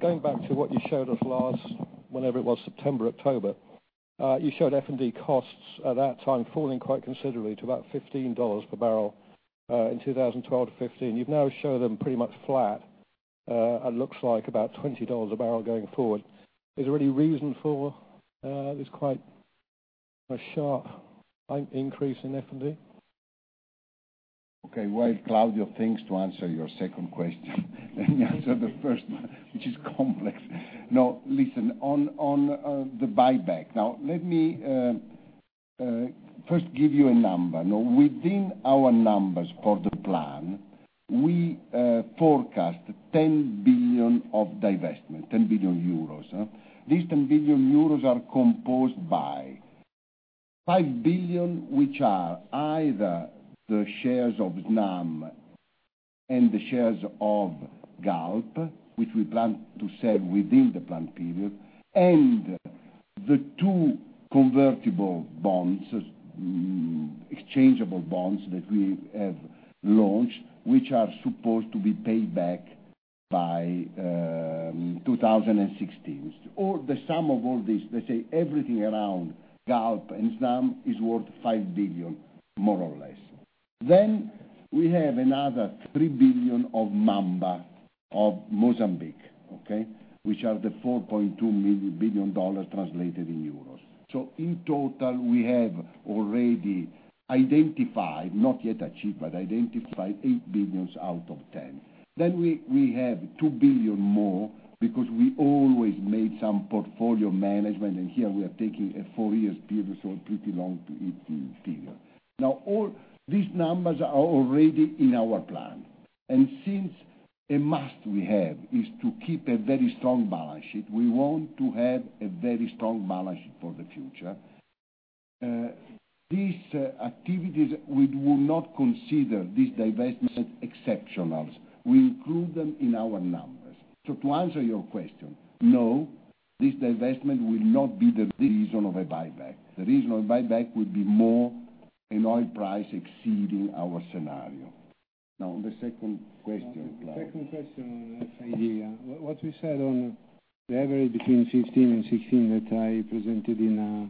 Going back to what you showed us last, whenever it was September, October. You showed F&D costs at that time falling quite considerably to about $15 per barrel in 2012 to 2015. You've now shown them pretty much flat. Looks like about $20 a barrel going forward. Is there any reason for this quite a sharp increase in F&D? Okay. While Claudio thinks to answer your second question, let me answer the first one, which is complex. Listen. On the buyback. Let me first give you a number. Within our numbers for the plan, we forecast 10 billion of divestment, 10 billion euros. These 10 billion euros are composed by 5 billion, which are either the shares of Snam and the shares of Galp, which we plan to sell within the plan period, and the two convertible bonds, exchangeable bonds that we have launched, which are supposed to be paid back by 2016. The sum of all this, let's say everything around Galp and Snam is worth 5 billion, more or less. We have another 3 billion of Mamba of Mozambique, okay? Which are the $4.2 billion translated in euros. In total, we have already identified, not yet achieved, but identified 8 billion out of 10 billion. We have 2 billion more because we always made some portfolio management, and here we are taking a four-year period, so a pretty long figure. All these numbers are already in our plan. Since a must we have is to keep a very strong balance sheet, we want to have a very strong balance sheet for the future. These activities, we will not consider these divestments exceptionals. We include them in our numbers. To answer your question, no, this divestment will not be the reason of a buyback. The reason of buyback would be more an oil price exceeding our scenario. The second question, Claudio. The second question on F&D. What we said on the average between 2015 and 2016 that I presented in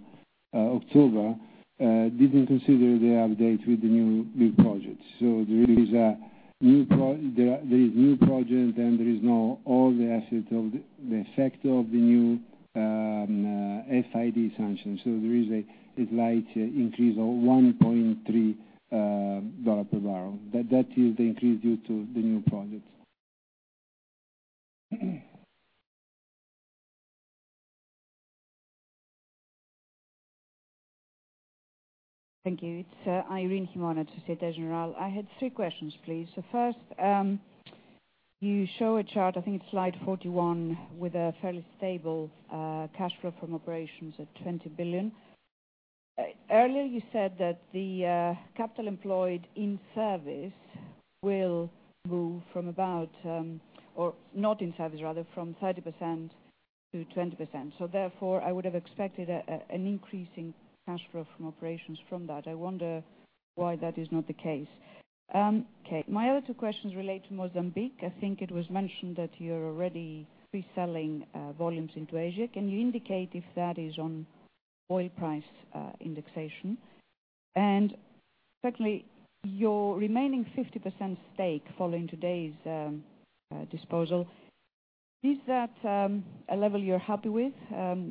October, didn't consider the update with the new big projects. There is a new project, and there is now all the effect of the new FID sanction. There is a slight increase of $1.3 per barrel. That is the increase due to the new project. Thank you. It's Irene Himona, Societe Generale. I had three questions, please. First, you show a chart, I think it's slide 41, with a fairly stable cash flow from operations of 20 billion. Earlier you said that the capital employed in service will move from about, or not in service rather, from 30% to 20%. Therefore, I would have expected an increase in cash flow from operations from that. I wonder why that is not the case. Okay. My other two questions relate to Mozambique. I think it was mentioned that you're already pre-selling volumes into Asia. Can you indicate if that is on oil price indexation? And secondly, your remaining 50% stake following today's disposal, is that a level you're happy with?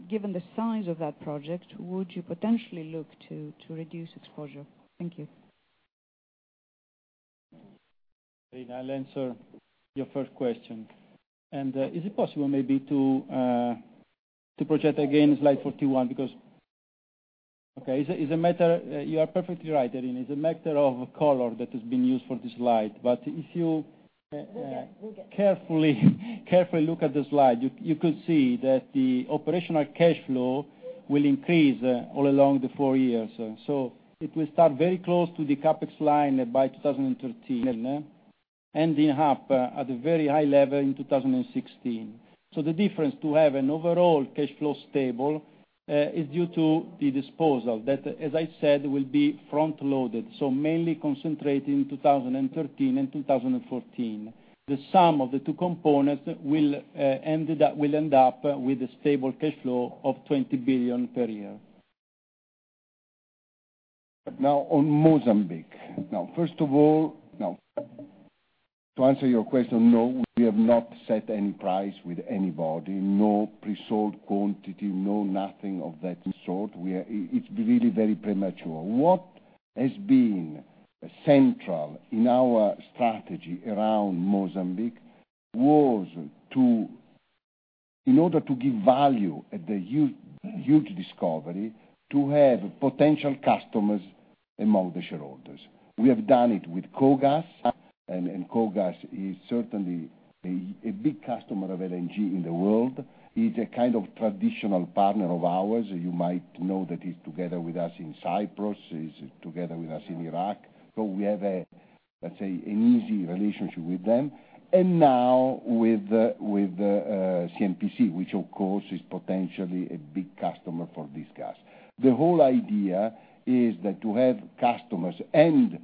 Given the size of that project, would you potentially look to reduce exposure? Thank you. Irene, I'll answer your first question. Is it possible maybe to project again slide 41? Because, okay, you are perfectly right, Irene. It's a matter of color that has been used for this slide. We'll get there Carefully look at the slide, you could see that the operational cash flow will increase all along the four years. It will start very close to the CapEx line by 2013, ending up at a very high level in 2016. The difference to have an overall cash flow stable is due to the disposal. That, as I said, will be front-loaded, mainly concentrated in 2013 and 2014. The sum of the two components will end up with a stable cash flow of 20 billion per year. On Mozambique. First of all, to answer your question, no, we have not set any price with anybody, no pre-sold quantity, no nothing of that sort. It's really very premature. What has been central in our strategy around Mozambique was, in order to give value at the huge discovery, to have potential customers among the shareholders. We have done it with KOGAS is certainly a big customer of LNG in the world. It's a kind of traditional partner of ours. You might know that it's together with us in Cyprus, is together with us in Iraq. We have a, let's say, an easy relationship with them. Now with CNPC, which of course is potentially a big customer for this gas. The whole idea is that to have customers and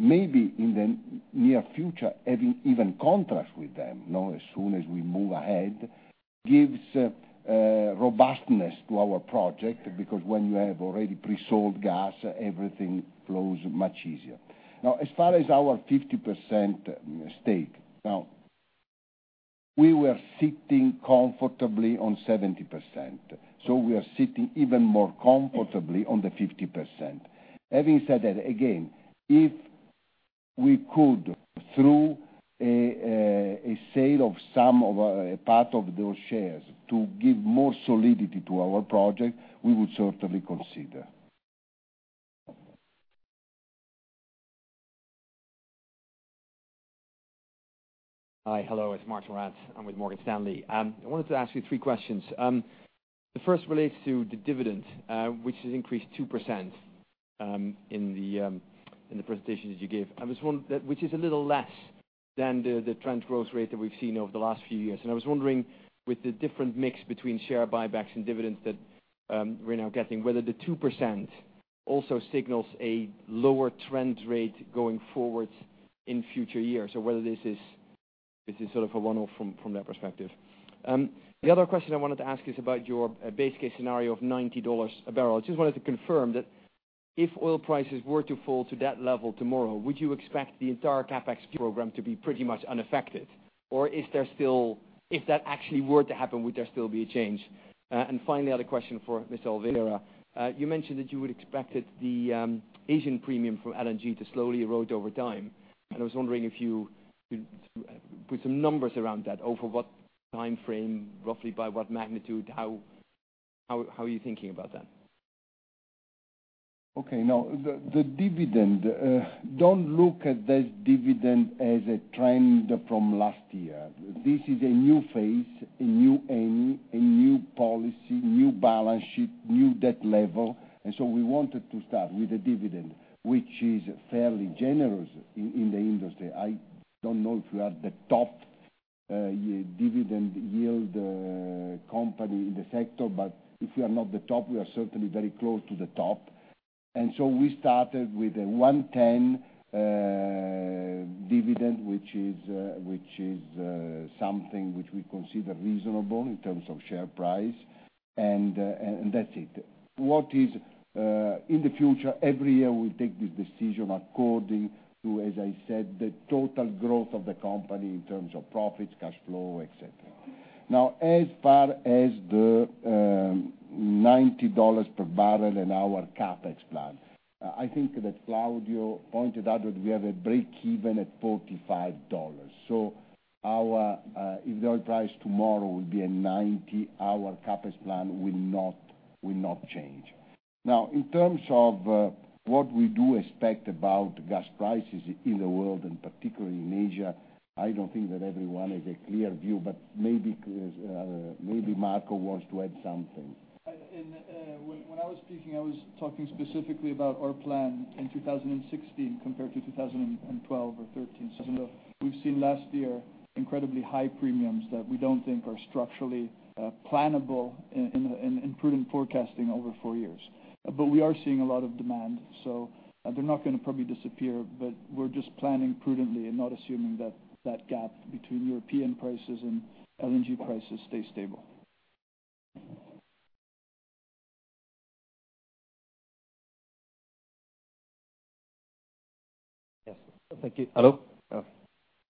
maybe in the near future, having even contracts with them. As soon as we move ahead, it gives robustness to our project, because when you have already pre-sold gas, everything flows much easier. As far as our 50% stake. We were sitting comfortably on 70%, we are sitting even more comfortably on the 50%. Having said that, again, if we could, through a sale of part of those shares to give more solidity to our project, we would certainly consider. Hi, hello, it's Martijn Rats. I'm with Morgan Stanley. I wanted to ask you three questions. The first relates to the dividend, which has increased 2% in the presentation that you gave. Which is a little less than the trend growth rate that we've seen over the last few years. I was wondering, with the different mix between share buybacks and dividends that we're now getting, whether the 2% also signals a lower trend rate going forward in future years, or whether this is sort of a one-off from that perspective. The other question I wanted to ask is about your base case scenario of $90 a barrel. I just wanted to confirm that if oil prices were to fall to that level tomorrow, would you expect the entire CapEx program to be pretty much unaffected? If that actually were to happen, would there still be a change? I had a question for Mr. Alverà. You mentioned that you would expect the Asian premium from LNG to slowly erode over time, and I was wondering if you could put some numbers around that. Over what time frame, roughly by what magnitude? How are you thinking about that? The dividend. Don't look at this dividend as a trend from last year. This is a new phase, a new Eni, a new policy, new balance sheet, new debt level, we wanted to start with a dividend which is fairly generous in the industry. I don't know if we are the top dividend yield company in the sector, but if we are not the top, we are certainly very close to the top. We started with a 1.10 dividend, which is something which we consider reasonable in terms of share price, and that's it. In the future, every year, we'll take this decision according to, as I said, the total growth of the company in terms of profits, cash flow, et cetera. As far as the $90 per barrel and our CapEx plan, I think that Claudio pointed out that we have a breakeven at $45. If the oil price tomorrow will be at 90, our CapEx plan will not change. In terms of what we do expect about gas prices in the world and particularly in Asia, I don't think that everyone has a clear view, but maybe Marco wants to add something. When I was speaking, I was talking specifically about our plan in 2016 compared to 2012 or 2013. We've seen last year incredibly high premiums that we don't think are structurally plannable in prudent forecasting over four years. We are seeing a lot of demand, they're not going to probably disappear, but we're just planning prudently and not assuming that that gap between European prices and LNG prices stay stable. Yes. Thank you. Hello?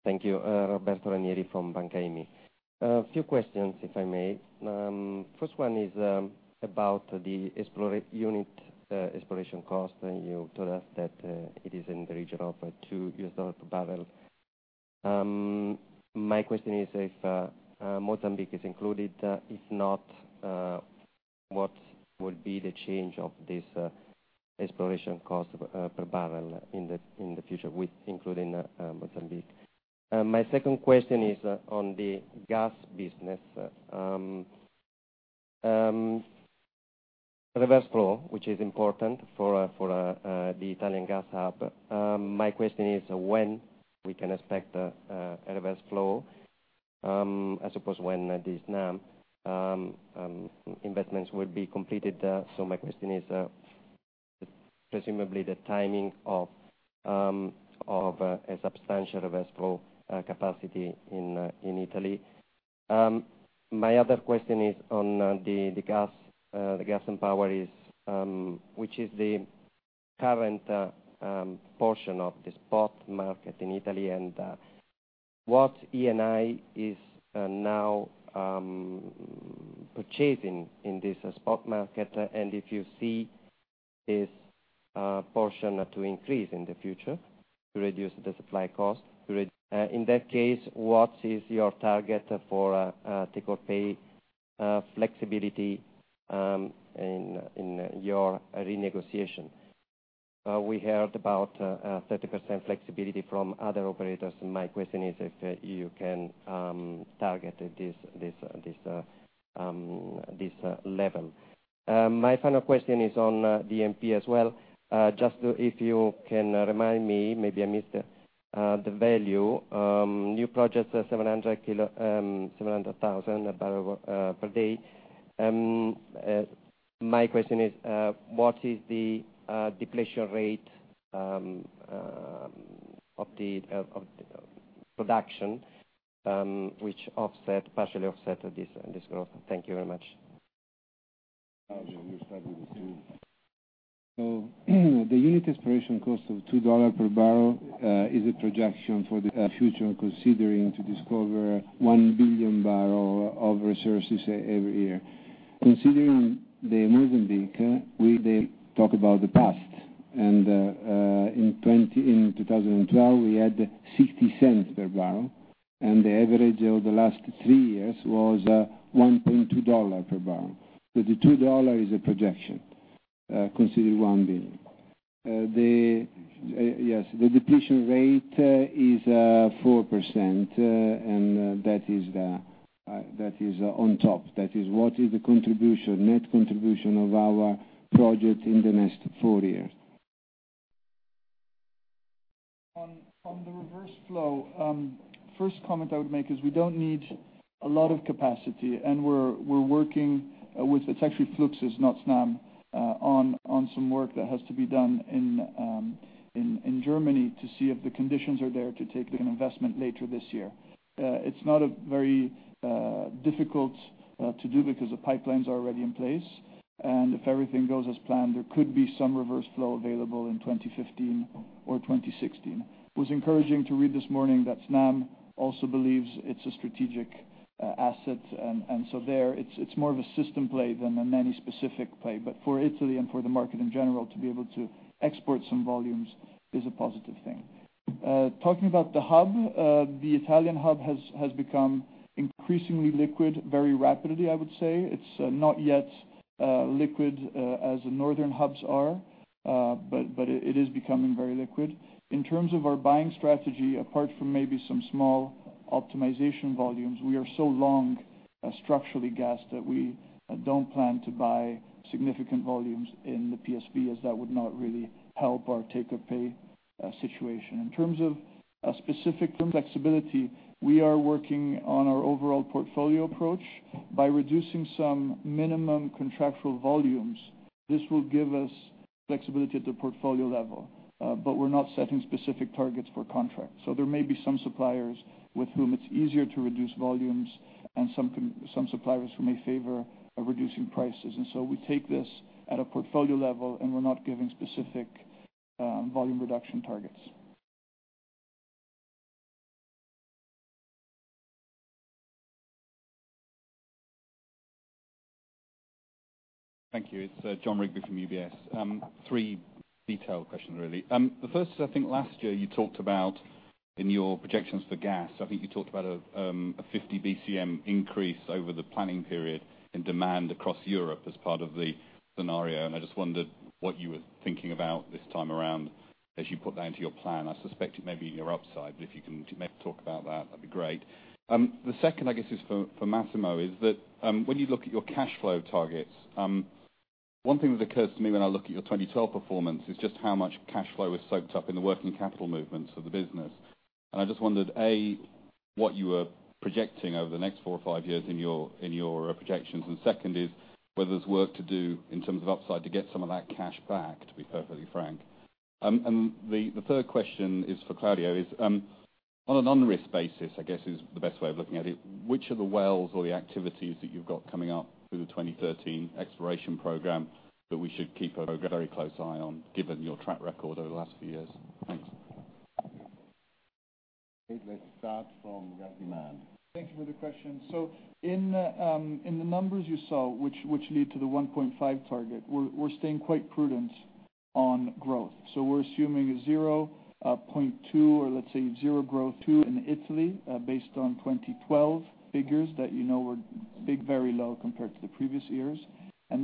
Thank you. Roberto Ranieri from Banca Intesa. A few questions, if I may. First one is about the unit exploration cost, and you told us that it is in the region of 2 per barrel. My question is if Mozambique is included. If not, what will be the change of this exploration cost per barrel in the future with including Mozambique? My second question is on the gas business. Reverse flow, which is important for the Italian gas hub. My question is when we can expect a reverse flow. I suppose when the Snam investments will be completed. My question is presumably the timing of a substantial reverse flow capacity in Italy. My other question is on the Gas & Power, which is the current portion of the spot market in Italy, and what Eni is now purchasing in this spot market, and if you see this portion to increase in the future to reduce the supply cost? In that case, what is your target for take-or-pay flexibility in your renegotiation? We heard about 30% flexibility from other operators, and my question is if you can target this level. My final question is on [DMP] as well. Just if you can remind me, maybe I missed the value. New projects are 700,000 per day. My question is, what is the depletion rate? Of the production, which partially offset this growth. Thank you very much. Claudio, you start with the two. the unit exploration cost of $2 per barrel is a projection for the future considering to discover 1 billion barrels of resources every year. Considering Mozambique, we talk about the past, and in 2012, we had $0.60 per barrel, and the average over the last three years was $1.20 per barrel. The $2 is a projection, considering 1 billion. Yes, the depletion rate is 4%, and that is on top. That is what is the net contribution of our project in the next four years. On the reverse flow. First comment I would make is we don't need a lot of capacity, and we're working with, it's actually Fluxys, not Snam, on some work that has to be done in Germany to see if the conditions are there to take an investment later this year. It's not very difficult to do because the pipelines are already in place, and if everything goes as planned, there could be some reverse flow available in 2015 or 2016. It was encouraging to read this morning that Snam also believes it's a strategic asset, and there, it's more of a system play than any specific play. For Italy and for the market in general, to be able to export some volumes is a positive thing. Talking about the hub, the Italian hub has become increasingly liquid very rapidly, I would say. It's not yet liquid as the northern hubs are, but it is becoming very liquid. In terms of our buying strategy, apart from maybe some small optimization volumes, we are so long structurally gas, that we don't plan to buy significant volumes in the PSV, as that would not really help our take-or-pay situation. In terms of specific flexibility, we are working on our overall portfolio approach by reducing some minimum contractual volumes. This will give us flexibility at the portfolio level, but we're not setting specific targets for contracts. There may be some suppliers with whom it's easier to reduce volumes and some suppliers who may favor reducing prices. We take this at a portfolio level, and we're not giving specific volume reduction targets. Thank you. It's Jon Rigby from UBS. Three detailed questions, really. The first is, I think last year, in your projections for gas, I think you talked about a 50 BCM increase over the planning period in demand across Europe as part of the scenario, and I just wondered what you were thinking about this time around as you put that into your plan. I suspect it may be in your upside, but if you can maybe talk about that'd be great. The second, I guess is for Massimo, is that when you look at your cash flow targets, one thing that occurs to me when I look at your 2012 performance is just how much cash flow is soaked up in the working capital movements of the business. I just wondered, A, what you were projecting over the next four or five years in your projections. Second is whether there's work to do in terms of upside to get some of that cash back, to be perfectly frank. The third question is for Claudio. On a non-risk basis, I guess is the best way of looking at it, which of the wells or the activities that you've got coming up through the 2013 exploration program that we should keep a very close eye on given your track record over the last few years? Thanks. Let's start from gas demand. Thank you for the question. In the numbers you saw, which lead to the 1.5 target, we're staying quite prudent on growth. We're assuming 0.2, or let's say zero growth too, in Italy, based on 2012 figures that you know were very low compared to the previous years.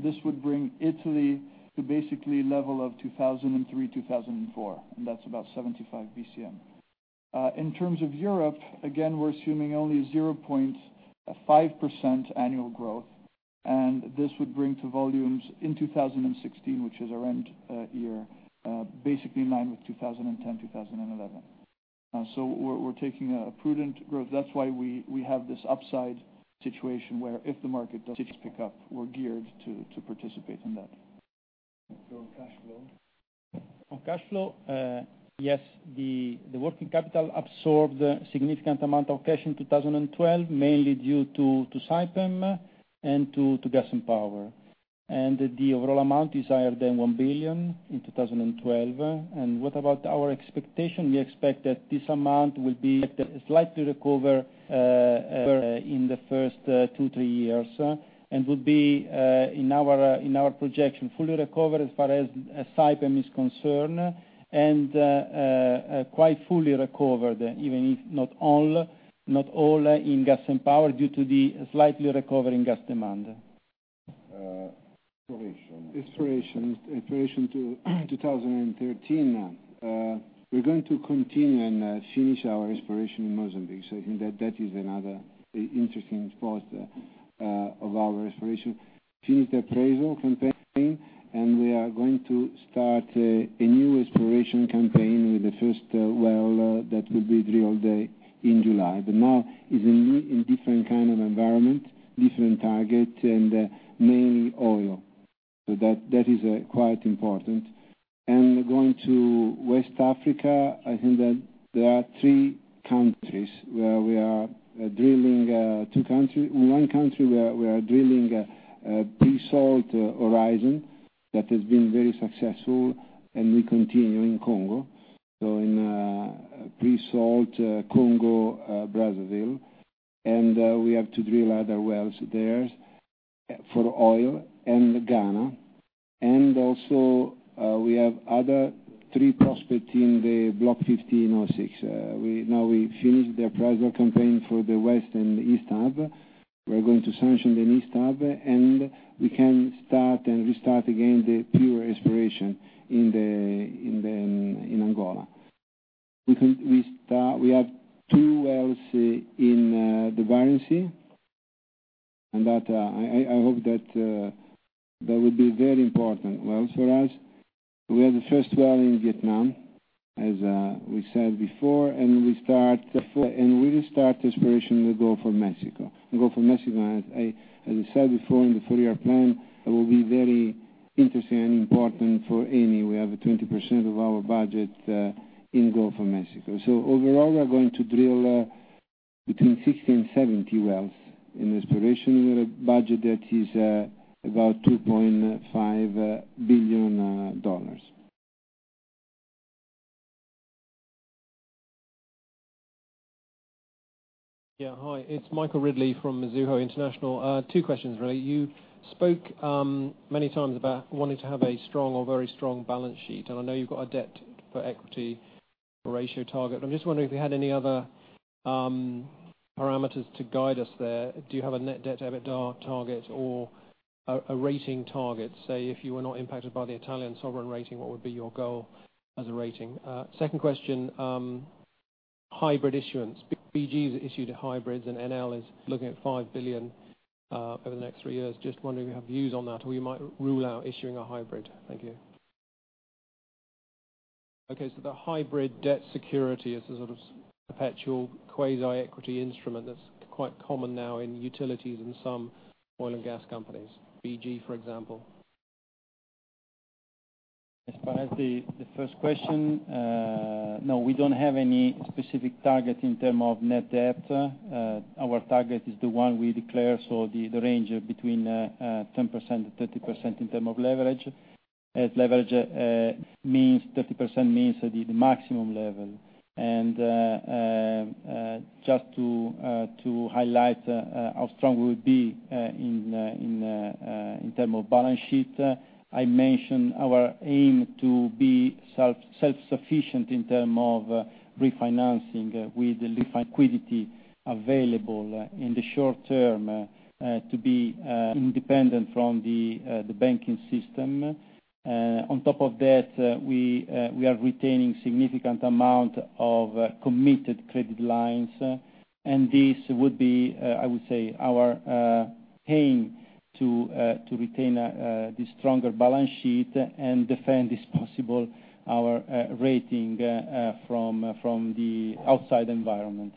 This would bring Italy to basically level of 2003, 2004, and that's about 75 BCM. In terms of Europe, again, we're assuming only 0.5% annual growth, and this would bring to volumes in 2016, which is our end year, basically in line with 2010, 2011. We're taking a prudent growth. That's why we have this upside situation where if the market does pick up, we're geared to participate in that. Go on cash flow. On cash flow, yes, the working capital absorbed a significant amount of cash in 2012, mainly due to Saipem and to Gas & Power. The overall amount is higher than 1 billion in 2012. What about our expectation? We expect that this amount will be slightly recover in the first two, three years and will be, in our projection, fully recovered as far as Saipem is concerned, and quite fully recovered, even if not all, in Gas & Power due to the slightly recovering gas demand. Exploration. Exploration to 2013. We're going to continue and finish our exploration in Mozambique. I think that is another interesting part of our exploration. Finish the appraisal campaign, and we are going to start a new exploration campaign with the first well that will be drilled in July. Now is in different kind of environment, different target, and mainly oil. That is quite important. Going to West Africa, I think that there are three countries where we are drilling. One country where we are drilling pre-salt horizon that has been very successful, and we continue in Congo. In pre-salt Congo, Brazzaville, and we have to drill other wells there for oil, and Ghana. Also we have other three prospects in the Block 1506. Now we finished the appraisal campaign for the west and the east hub. We're going to sanction the east hub, and we can start and restart again the pure exploration in Angola. We have two wells in the Barents Sea, and I hope that they will be very important wells for us. We have the first well in Vietnam, as we said before, and we restart exploration in the Gulf of Mexico. The Gulf of Mexico, as I said before, in the four-year plan, it will be very interesting and important for Eni. We have 20% of our budget in the Gulf of Mexico. Overall, we are going to drill between 60 and 70 wells in exploration. We have a budget that is about $2.5 billion. Yeah, hi. It's Michael Ridley from Mizuho International. Two questions, really. You spoke many times about wanting to have a strong or very strong balance sheet, and I know you've got a debt for equity ratio target. I'm just wondering if you had any other parameters to guide us there. Do you have a net debt to EBITDA target or a rating target? Say, if you were not impacted by the Italian sovereign rating, what would be your goal as a rating? Second question, hybrid issuance. BG's issued hybrids, and Enel is looking at $5 billion over the next three years. Just wondering if you have views on that, or you might rule out issuing a hybrid. Thank you. Okay, the hybrid debt security is the sort of perpetual quasi-equity instrument that's quite common now in utilities in some oil and gas companies. BG, for example. As far as the first question, no, we don't have any specific target in terms of net debt. Our target is the one we declare, so the range between 10% and 30% in terms of leverage. As leverage, 30% means the maximum level. Just to highlight how strong we'll be in terms of balance sheet, I mentioned our aim to be self-sufficient in terms of refinancing with liquidity available in the short term to be independent from the banking system. On top of that, we are retaining significant amount of committed credit lines, this would be, I would say, our aim to retain the stronger balance sheet and defend this possible, our rating from the outside environment.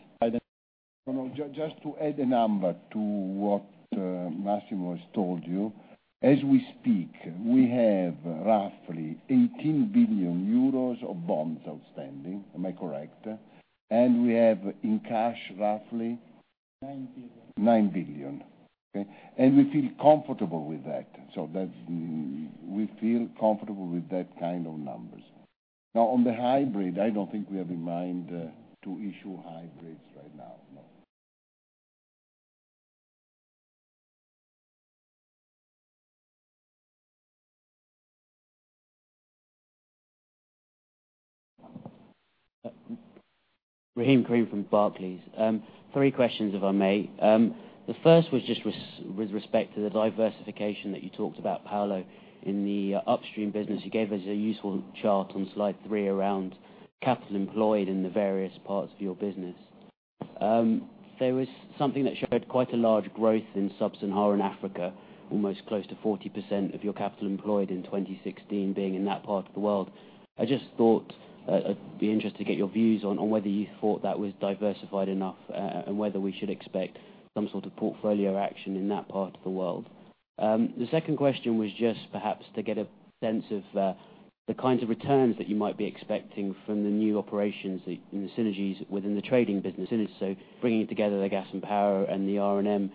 Just to add a number to what Massimo has told you. As we speak, we have roughly 18 billion euros of bonds outstanding. Am I correct? We have in cash roughly nine billion. nine billion. Okay. We feel comfortable with that. We feel comfortable with that kind of numbers. Now, on the hybrid, I don't think we have in mind to issue hybrids right now, no. Rahim Karim from Barclays. Three questions, if I may. The first was just with respect to the diversification that you talked about, Paolo. In the upstream business, you gave us a useful chart on slide three around capital employed in the various parts of your business. There was something that showed quite a large growth in Sub-Saharan Africa, almost close to 40% of your capital employed in 2016 being in that part of the world. I just thought I'd be interested to get your views on whether you thought that was diversified enough, and whether we should expect some sort of portfolio action in that part of the world. The second question was just perhaps to get a sense of the kinds of returns that you might be expecting from the new operations in the synergies within the trading business in it. Bringing together the Gas & Power and the R&M,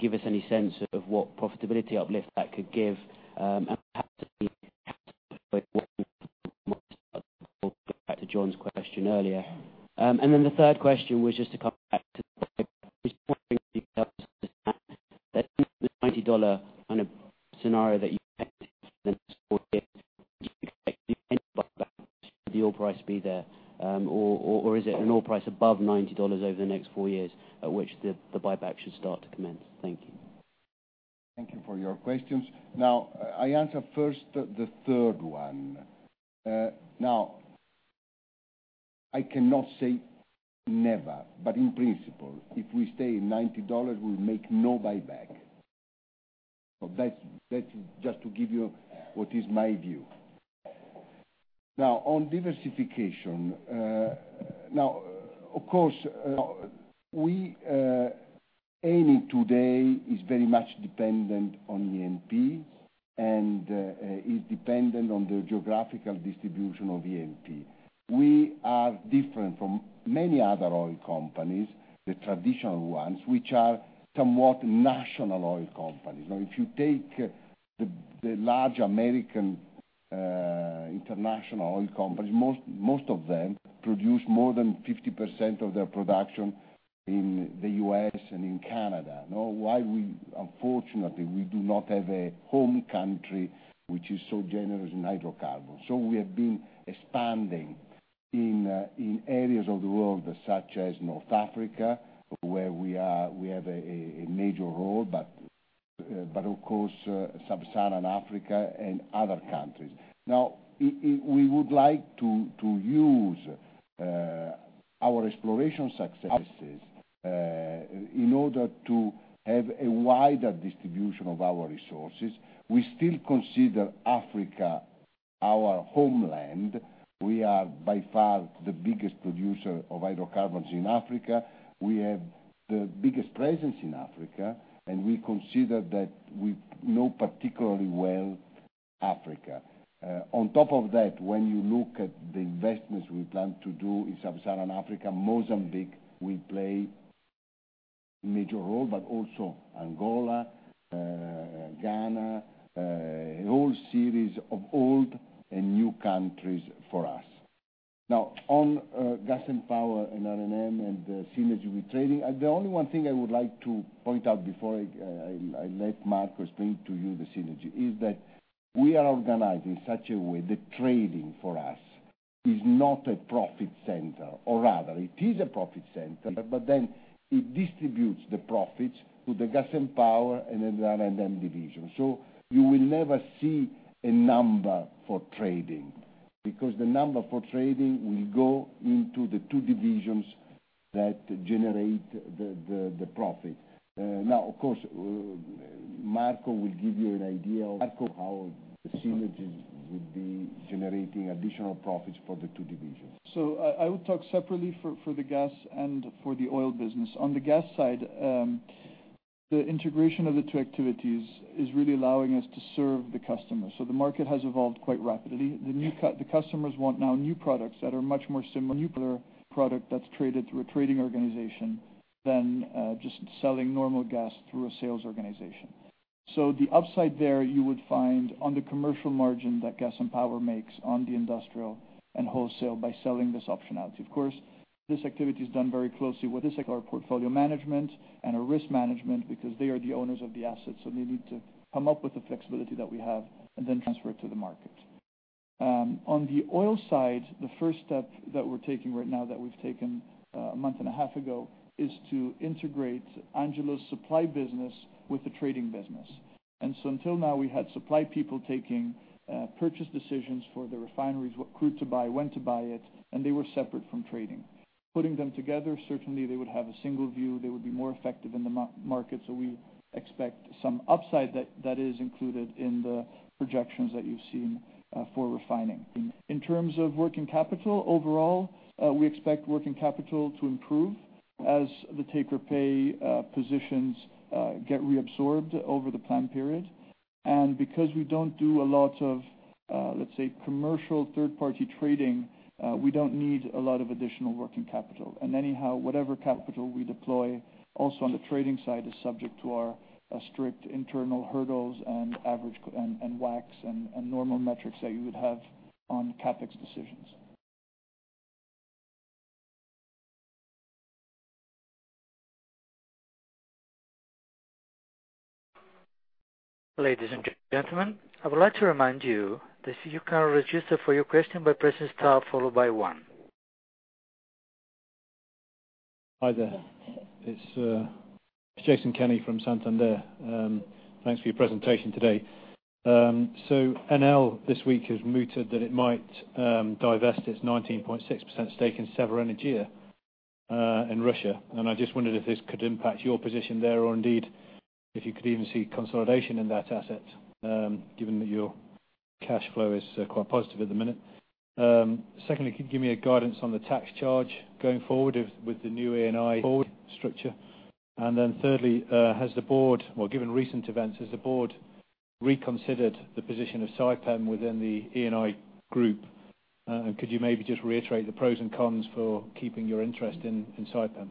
give us any sense of what profitability uplift that could give, and perhaps the capital deployment Back to Jon's question earlier. The third question was just to come back to the $90 kind of scenario that you the oil price be there? Or is it an oil price above $90 over the next four years at which the buyback should start to commence? Thank you. Thank you for your questions. I answer first the third one. I cannot say never, but in principle, if we stay in $90, we'll make no buyback. That's just to give you what is my view. On diversification. Of course, Eni today is very much dependent on the E&P, and is dependent on the geographical distribution of E&P. We are different from many other oil companies, the traditional ones, which are somewhat national oil companies. If you take the large American international oil companies, most of them produce more than 50% of their production in the U.S. and in Canada. Why we, unfortunately, we do not have a home country which is so generous in hydrocarbon. We have been expanding in areas of the world, such as North Africa, where we have a major role, but of course, Sub-Saharan Africa and other countries. We would like to use our exploration successes in order to have a wider distribution of our resources. We still consider Africa our homeland. We are by far the biggest producer of hydrocarbons in Africa. We have the biggest presence in Africa, we consider that we know particularly well Africa. On top of that, when you look at the investments we plan to do in Sub-Saharan Africa, Mozambique will play a major role, but also Angola, Ghana, a whole series of old and new countries for us. On Gas & Power and R&M and the synergy with trading, the only one thing I would like to point out before I let Marco explain to you the synergy, is that we are organized in such a way that trading, for us, is not a profit center, or rather, it is a profit center, but then it distributes the profits to the Gas & Power and the R&M division. You will never see a number for trading, because the number for trading will go into the two divisions that generate the profit. Of course, Marco will give you an idea of how the synergies would be generating additional profits for the two divisions. I will talk separately for the gas and for the oil business. On the gas side, the integration of the two activities is really allowing us to serve the customer. The market has evolved quite rapidly. The customers want now new products that are much more similar to a product that's traded through a trading organization than just selling normal gas through a sales organization. The upside there, you would find on the commercial margin that Gas & Power makes on the industrial and wholesale by selling this optionality. Of course, this activity is done very closely with our portfolio management and our risk management because they are the owners of the assets, so they need to come up with the flexibility that we have and then transfer it to the market. On the oil side, the first step that we're taking right now, that we've taken a month and a half ago, is to integrate Angelo's supply business with the trading business. Until now, we had supply people taking purchase decisions for the refineries, what crude to buy, when to buy it, and they were separate from trading. Putting them together, certainly they would have a single view, they would be more effective in the market. We expect some upside that is included in the projections that you've seen for refining. In terms of working capital, overall, we expect working capital to improve as the take-or-pay positions get reabsorbed over the plan period. Because we don't do a lot of, let's say, commercial third-party trading, we don't need a lot of additional working capital. Anyhow, whatever capital we deploy also on the trading side is subject to our strict internal hurdles and WACC and normal metrics that you would have on CapEx decisions. Ladies and gentlemen, I would like to remind you that you can register for your question by pressing star followed by one. Hi there. It's Jason Kenney from Santander. Thanks for your presentation today. Enel this week has mooted that it might divest its 19.6% stake in SeverEnergia in Russia, I just wondered if this could impact your position there, or indeed, if you could even see consolidation in that asset, given that your cash flow is quite positive at the minute. Secondly, could you give me a guidance on the tax charge going forward with the new Eni board structure? Thirdly, given recent events, has the board reconsidered the position of Saipem within the Eni group? Could you maybe just reiterate the pros and cons for keeping your interest in Saipem?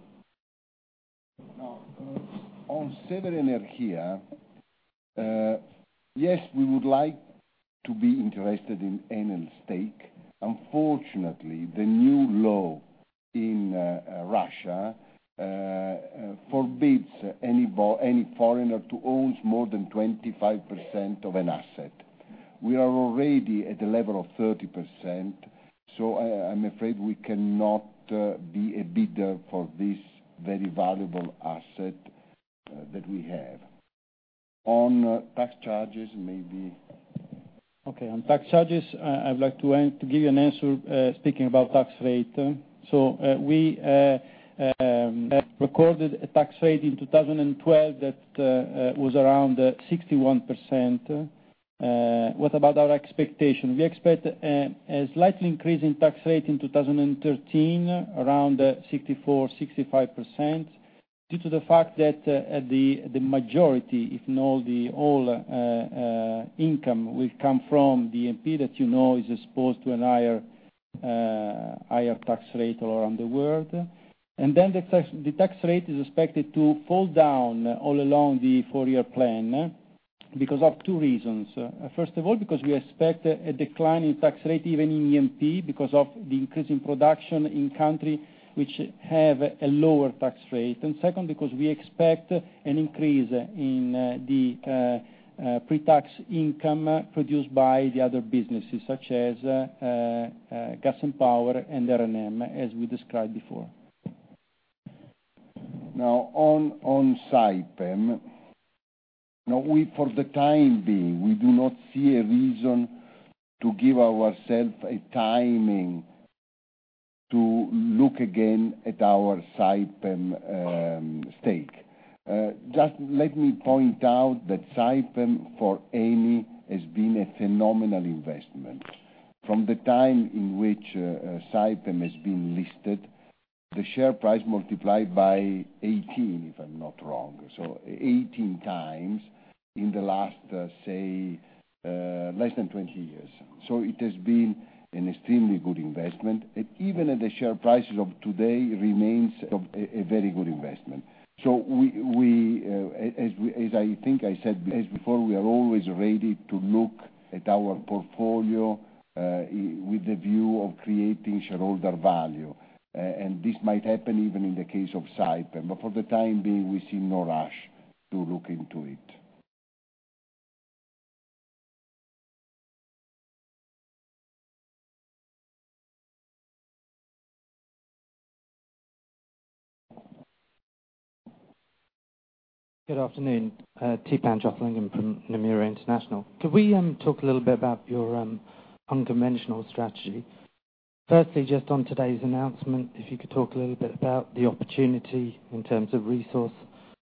On SeverEnergia, yes, we would like to be interested in Enel's stake. Unfortunately, the new law in Russia forbids any foreigner to own more than 25% of an asset. We are already at the level of 30%, I'm afraid we cannot be a bidder for this very valuable asset that we have. Okay, on tax charges, I'd like to give you an answer speaking about tax rate. We recorded a tax rate in 2012 that was around 61%. What about our expectation? We expect a slightly increase in tax rate in 2013, around 64%-65%, due to the fact that the majority, if not the whole income, will come from the E&P that you know is exposed to a higher tax rate all around the world. The tax rate is expected to fall down all along the four-year plan because of two reasons. First of all, because we expect a decline in tax rate even in E&P because of the increase in production in countries which have a lower tax rate. Because we expect an increase in the pre-tax income produced by the other businesses, such as Gas & Power and R&M, as we described before. On Saipem. For the time being, we do not see a reason to give ourselves a timing to look again at our Saipem stake. Just let me point out that Saipem for Eni has been a phenomenal investment. From the time in which Saipem has been listed, the share price multiplied by 18, if I'm not wrong. 18 times in the last, say, less than 20 years. It has been an extremely good investment. Even at the share prices of today, remains a very good investment. As I think I said, as before, we are always ready to look at our portfolio with the view of creating shareholder value. This might happen even in the case of Saipem. For the time being, we see no rush to look into it. Good afternoon. [Tipan] from Nomura International. Could we talk a little bit about your unconventional strategy? Firstly, just on today's announcement, if you could talk a little bit about the opportunity in terms of resource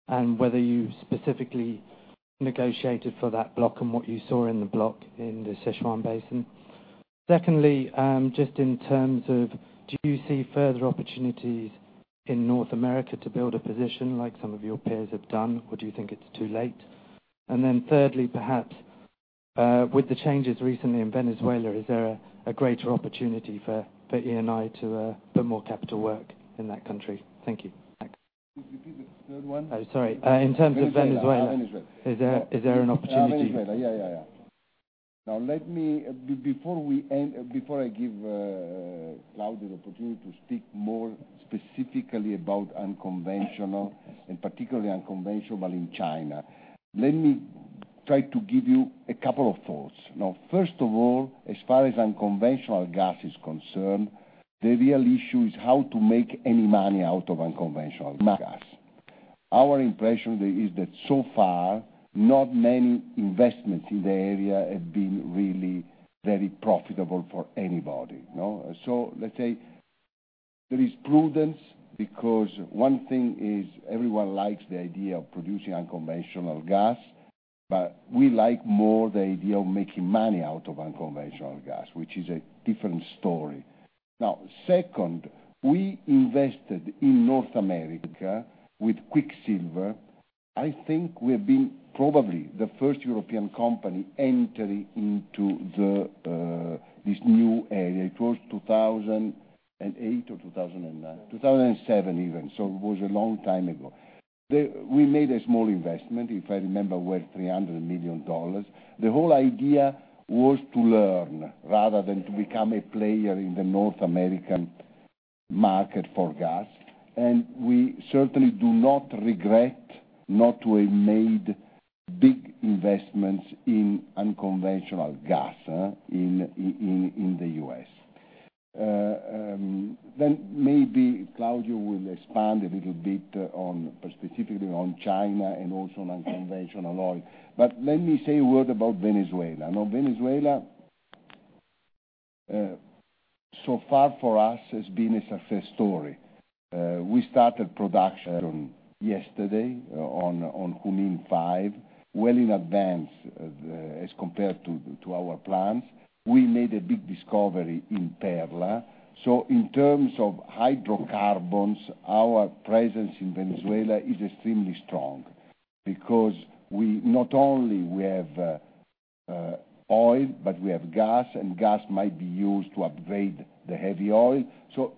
and whether you specifically negotiated for that block and what you saw in the block in the Sichuan Basin. Secondly, just in terms of do you see further opportunities in North America to build a position like some of your peers have done, or do you think it's too late? Thirdly, perhaps, with the changes recently in Venezuela, is there a greater opportunity for Eni to put more capital work in that country? Thank you. Could you repeat the third one? Sorry. In terms of Venezuela- Venezuela. -is there an opportunity? Venezuela, yeah. Before I give Claudio the opportunity to speak more specifically about unconventional, and particularly unconventional in China, let me try to give you a couple of thoughts. First of all, as far as unconventional gas is concerned, the real issue is how to make any money out of unconventional gas. Our impression is that so far, not many investments in the area have been really very profitable for anybody. Let's say there is prudence because one thing is everyone likes the idea of producing unconventional gas, but we like more the idea of making money out of unconventional gas, which is a different story. Second, we invested in North America with Quicksilver. I think we've been probably the first European company entering into this new area. It was 2008 or 2009. 2007, even. It was a long time ago. We made a small investment, if I remember well, EUR 300 million. The whole idea was to learn rather than to become a player in the North American market for gas. We certainly do not regret not to have made big investments in unconventional gas in the U.S. Maybe Claudio will expand a little bit specifically on China and also on unconventional oil. Let me say a word about Venezuela. Venezuela, so far for us has been a success story. We started production yesterday on Junin-5, well in advance as compared to our plans. We made a big discovery in Perla. In terms of hydrocarbons, our presence in Venezuela is extremely strong because not only we have oil, but we have gas, and gas might be used to upgrade the heavy oil.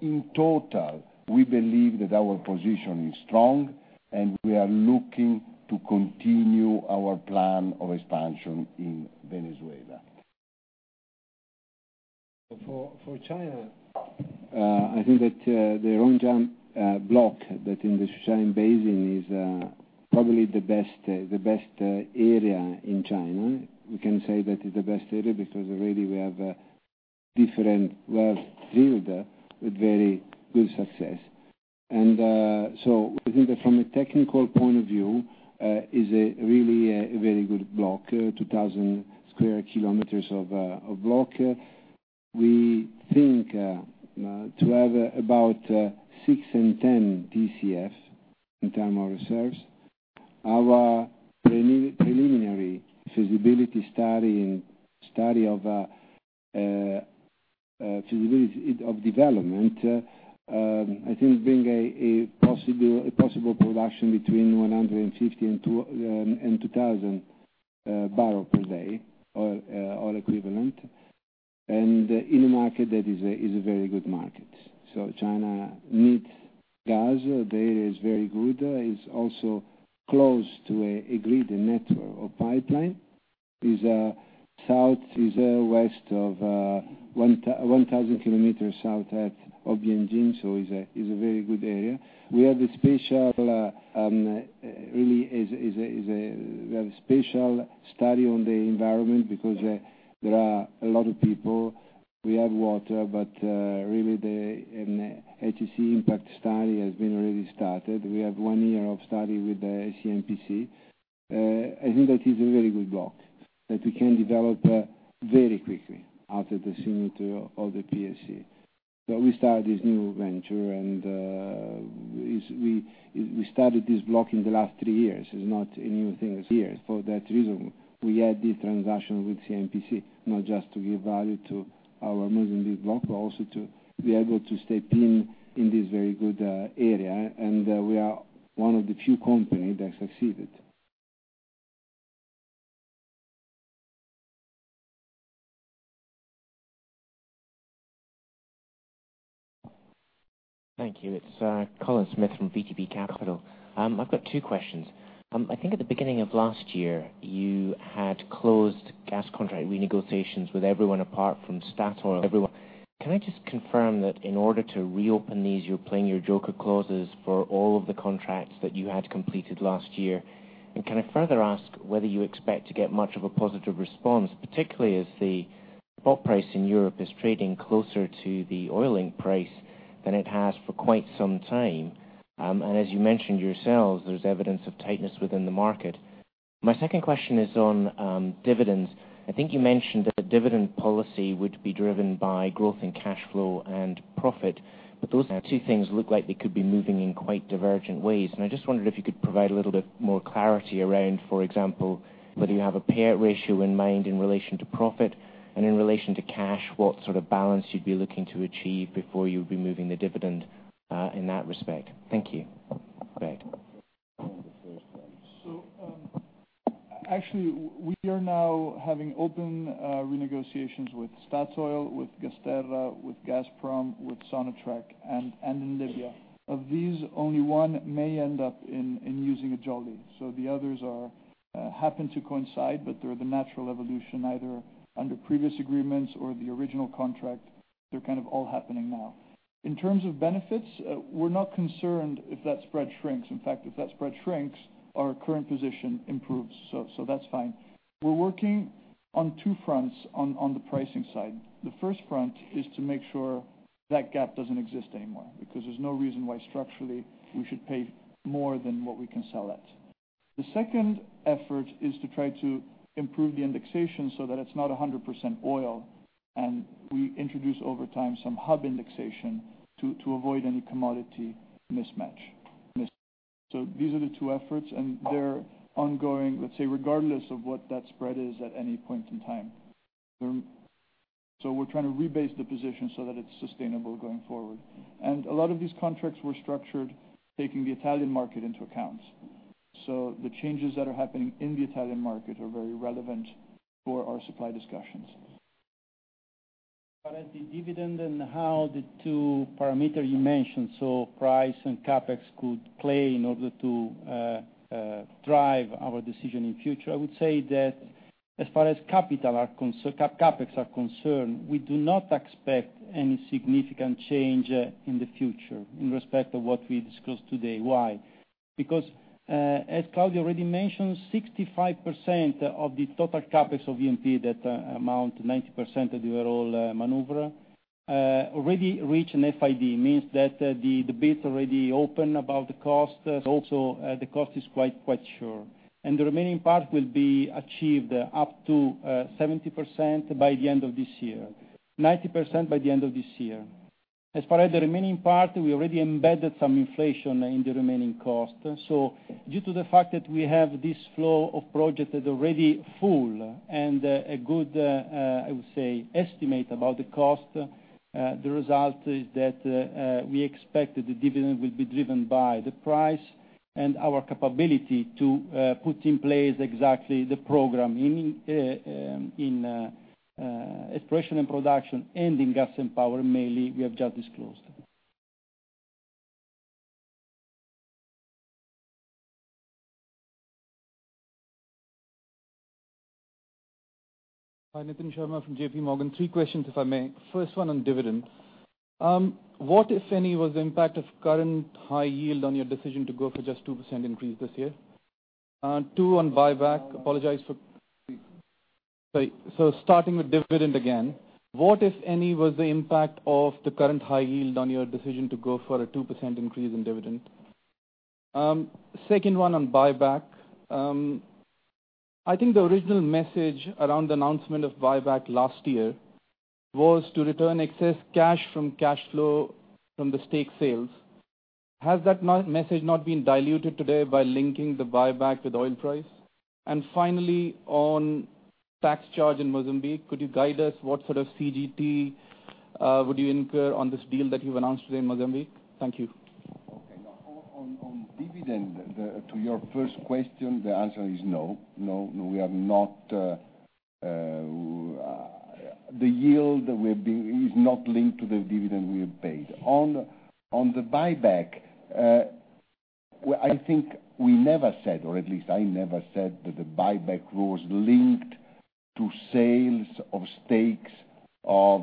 In total, we believe that our position is strong, and we are looking to continue our plan of expansion in Venezuela. For China, I think that the Rongchang block that in the Sichuan Basin is probably the best area in China. We can say that is the best area because already we have different wells drilled with very good success. We think that from a technical point of view, is a really a very good block, 2,000 sq km of block. We think to have about six and 10 Tcf In terms of reserves, our preliminary feasibility study of development, I think being a possible production between 150 and 2,000 barrels per day or equivalent, and in a market that is a very good market. China needs gas. The area is very good. It's also close to a graded network of pipeline. It's southwest of 1,000 km south of Beijing, is a very good area. We have a special study on the environment because there are a lot of people. We have water, but really the HSE impact study has been already started. We have one year of study with the CNPC. I think that is a very good block that we can develop very quickly after the signature of the PSC. We start this new venture, and we started this block in the last three years. It's not a new thing. It's here. For that reason, we had the transaction with CNPC, not just to give value to our amazing new block, but also to be able to stay pinned in this very good area. We are one of the few company that succeeded. Thank you. It's Colin Smith from VTB Capital. I've got two questions. I think at the beginning of last year, you had closed gas contract renegotiations with everyone apart from Statoil, everyone. Can I just confirm that in order to reopen these, you're playing your joker clauses for all of the contracts that you had completed last year? Can I further ask whether you expect to get much of a positive response, particularly as the spot price in Europe is trading closer to the oil link price than it has for quite some time? As you mentioned yourselves, there's evidence of tightness within the market. My second question is on dividends. I think you mentioned that the dividend policy would be driven by growth in cash flow and profit, those two things look like they could be moving in quite divergent ways. I just wondered if you could provide a little bit more clarity around, for example, whether you have a payout ratio in mind in relation to profit and in relation to cash, what sort of balance you'd be looking to achieve before you'd be moving the dividend, in that respect. Thank you. Great. On the first one. Actually we are now having open renegotiations with Statoil, with GasTerra, with Gazprom, with Sonatrach, and in Libya. Of these, only one may end up in using a jolly. The others happen to coincide, they're the natural evolution, either under previous agreements or the original contract. They're kind of all happening now. In terms of benefits, we're not concerned if that spread shrinks. In fact, if that spread shrinks, our current position improves. That's fine. We're working on two fronts on the pricing side. The first front is to make sure that gap doesn't exist anymore, because there's no reason why structurally we should pay more than what we can sell at. The second effort is to try to improve the indexation so that it's not 100% oil, we introduce over time some hub indexation to avoid any commodity mismatch. These are the two efforts, they're ongoing, let's say, regardless of what that spread is at any point in time. We're trying to rebase the position so that it's sustainable going forward. A lot of these contracts were structured taking the Italian market into account. The changes that are happening in the Italian market are very relevant for our supply discussions. About the dividend and how the two parameter you mentioned, price and CapEx, could play in order to drive our decision in future. I would say that as far as CapEx are concerned, we do not expect any significant change in the future in respect of what we discussed today. Why? Because, as Claudio already mentioned, 65% of the total CapEx of Eni, that amount 90% of the overall maneuver, already reach an FID. Means that the bid already open about the cost. Also, the cost is quite sure. The remaining part will be achieved up to 70% by the end of this year, 90% by the end of this year. As for the remaining part, we already embedded some inflation in the remaining cost. Due to the fact that we have this flow of project that already full and a good, I would say, estimate about the cost, the result is that we expect that the dividend will be driven by the price and our capability to put in place exactly the program in exploration and production, and in Gas & Power, mainly, we have just disclosed. Hi, Nitin Sharma from JP Morgan. Three questions, if I may. First one on dividend. What, if any, was the impact of current high yield on your decision to go for just 2% increase this year? Two on buyback. Starting with dividend again. What, if any, was the impact of the current high yield on your decision to go for a 2% increase in dividend? Second one on buyback. I think the original message around the announcement of buyback last year was to return excess cash from cash flow from the stake sales. Has that message not been diluted today by linking the buyback with oil price? Finally, on tax charge in Mozambique, could you guide us what sort of CGT would you incur on this deal that you've announced today in Mozambique? Thank you. Okay. Now, on dividend, to your first question, the answer is no. The yield is not linked to the dividend we have paid. On the buyback, I think we never said, or at least I never said, that the buyback was linked to sales of stakes of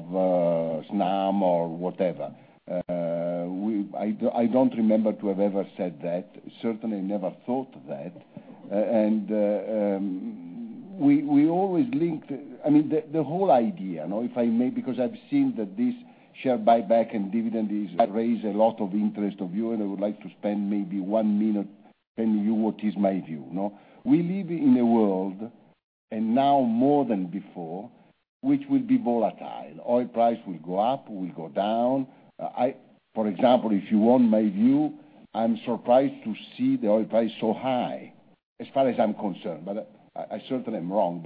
Snam or whatever. I don't remember to have ever said that, certainly never thought that. The whole idea, if I may, because I've seen that this share buyback and dividend has raised a lot of interest of you, I would like to spend maybe one minute telling you what is my view. We live in a world, now more than before, which will be volatile. Oil price will go up, will go down. For example, if you want my view, I'm surprised to see the oil price so high, as far as I'm concerned. I certainly am wrong,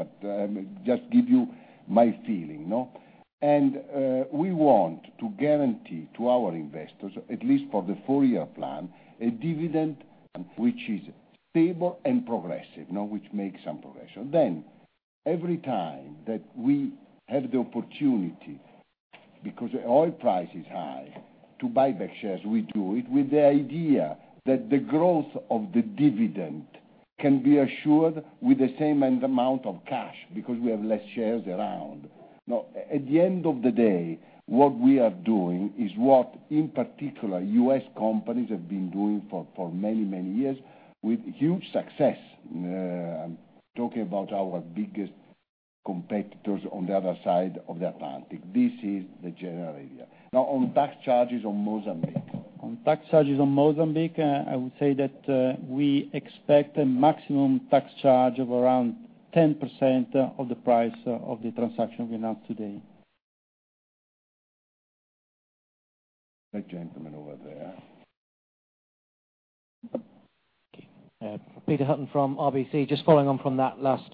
just give you my feeling. We want to guarantee to our investors, at least for the 4-year plan, a dividend which is stable and progressive, which makes some progression. Every time that we have the opportunity, because oil price is high, to buy back shares, we do it with the idea that the growth of the dividend can be assured with the same amount of cash, because we have less shares around. At the end of the day, what we are doing is what, in particular, U.S. companies have been doing for many, many years with huge success. I'm talking about our biggest competitors on the other side of the Atlantic. This is the general idea. On tax charges on Mozambique. On tax charges on Mozambique, I would say that we expect a maximum tax charge of around 10% of the price of the transaction we announced today. That gentleman over there. Thank you. Peter Hutton from RBC. Just following on from that last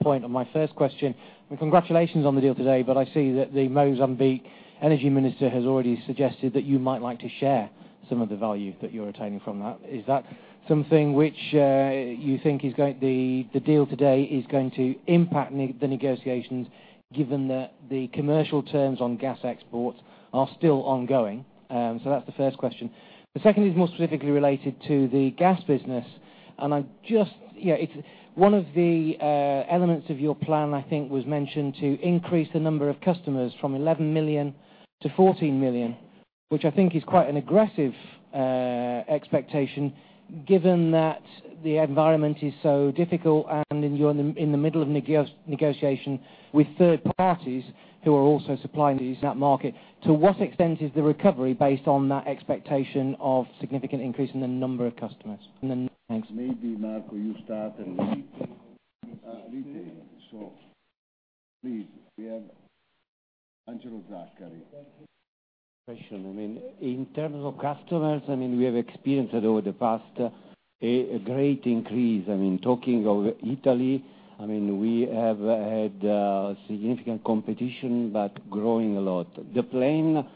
point on my first question. Congratulations on the deal today, I see that the Mozambique Energy Minister has already suggested that you might like to share some of the value that you're attaining from that. Is that something which you think the deal today is going to impact the negotiations, given that the commercial terms on gas exports are still ongoing? That's the first question. The second is more specifically related to the gas business, one of the elements of your plan, I think, was mentioned to increase the number of customers from 11 million to 14 million, which I think is quite an aggressive expectation given that the environment is so difficult and you're in the middle of negotiation with third parties who are also supplying these in that market. To what extent is the recovery based on that expectation of significant increase in the number of customers? Thanks. Maybe Marco, you start, and then Retail. Retail. Please, we have Angelo Zaccari. In terms of customers, we have experienced over the past a great increase. Talking of Italy, we have had significant competition, but growing a lot. The plan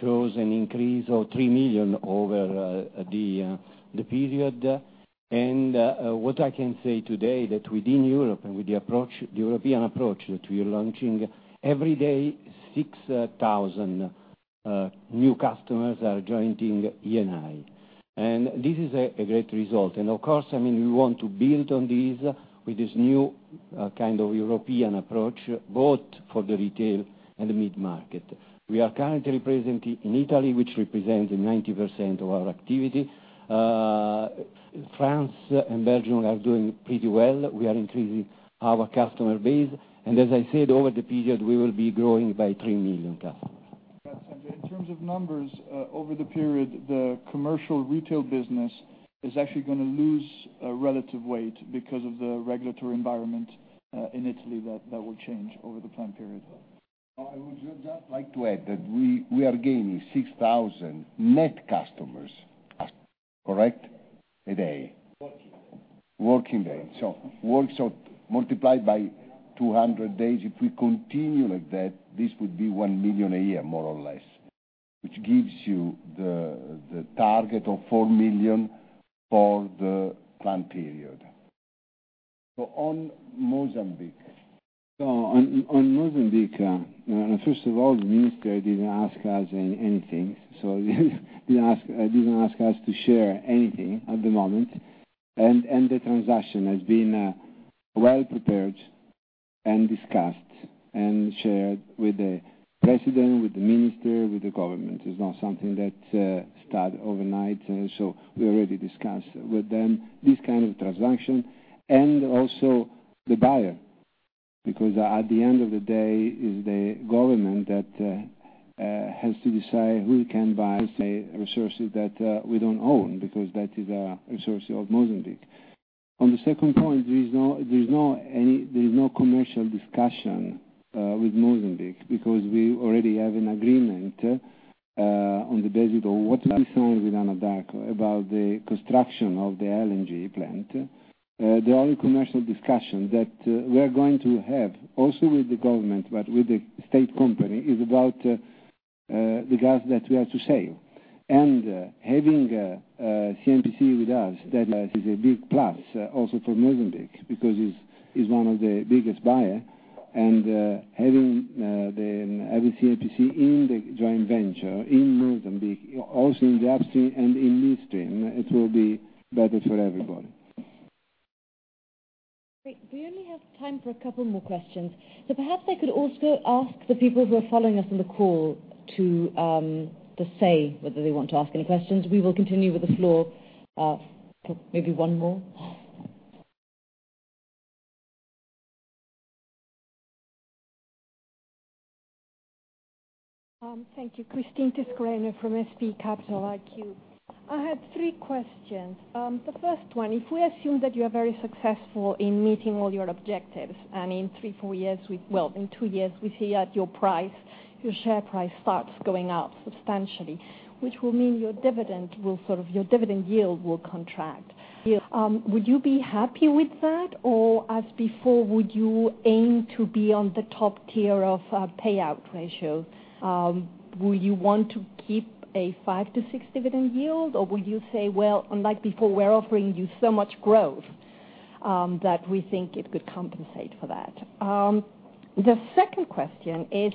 shows an increase of 3 million over the period. What I can say today, that within Europe and with the European approach that we are launching, every day 6,000 new customers are joining Eni. This is a great result. Of course, we want to build on this with this new European approach, both for the retail and the mid-market. We are currently present in Italy, which represents 90% of our activity. France and Belgium are doing pretty well. We are increasing our customer base. As I said, over the period, we will be growing by 3 million customers. In terms of numbers, over the period, the commercial retail business is actually going to lose relative weight because of the regulatory environment in Italy that will change over the plan period. I would just like to add that we are gaining 6,000 net customers a day, correct? Working day. Working day. Multiplied by 200 days, if we continue like that, this would be 1 million a year, more or less, which gives you the target of 4 million for the plan period. On Mozambique. On Mozambique, first of all, the Minister didn't ask us anything. Didn't ask us to share anything at the moment. The transaction has been well prepared and discussed and shared with the President, with the Minister, with the government. It's not something that started overnight. We already discussed with them this kind of transaction. Also the buyer At the end of the day, it is the government that has to decide who can buy the resources that we don't own, because that is a resource of Mozambique. On the second point, there is no commercial discussion with Mozambique because we already have an agreement on the basis of what we signed with Anadarko about the construction of the LNG plant. The only commercial discussion that we are going to have, also with the government, but with the state company, is about the gas that we are to sell. Having CNPC with us, that is a big plus also for Mozambique, because it's one of the biggest buyers. Having CNPC in the joint venture in Mozambique, also in the upstream and in midstream, it will be better for everybody. Great. We only have time for a couple more questions. Perhaps I could also ask the people who are following us on the call to say whether they want to ask any questions. We will continue with the floor. Maybe one more. Thank you. Christine [inaudible] from S&P Capital IQ. I have three questions. The first one, if we assume that you are very successful in meeting all your objectives, and in three, four years, well, in two years, we see that your share price starts going up substantially, which will mean your dividend yield will contract. Would you be happy with that? Or, as before, would you aim to be on the top tier of payout ratio? Will you want to keep a 5%-6% dividend yield? Or will you say, well, unlike before, we're offering you so much growth that we think it could compensate for that. The second question is,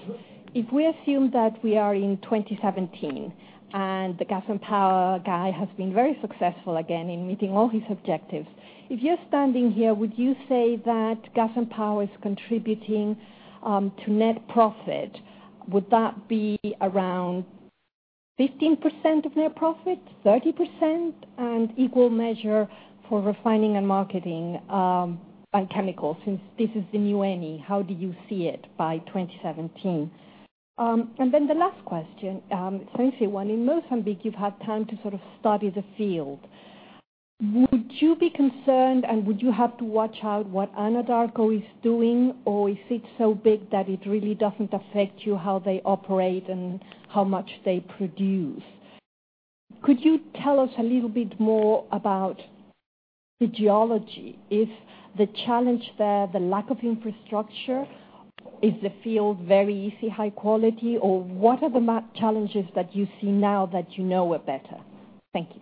if we assume that we are in 2017, the Gas and Power guy has been very successful again in meeting all his objectives. If you're standing here, would you say that Gas & Power is contributing to net profit? Would that be around 15% of net profit, 30%? Equal measure for R&M and Chemicals, since this is the new Eni, how do you see it by 2017? Then the last question, it's an easy one. In Mozambique, you've had time to sort of study the field. Would you be concerned, and would you have to watch out what Anadarko is doing? Or is it so big that it really doesn't affect you how they operate and how much they produce? Could you tell us a little bit more about the geology? Is the challenge there the lack of infrastructure? Is the field very easy, high quality? Or what are the challenges that you see now that you know it better? Thank you.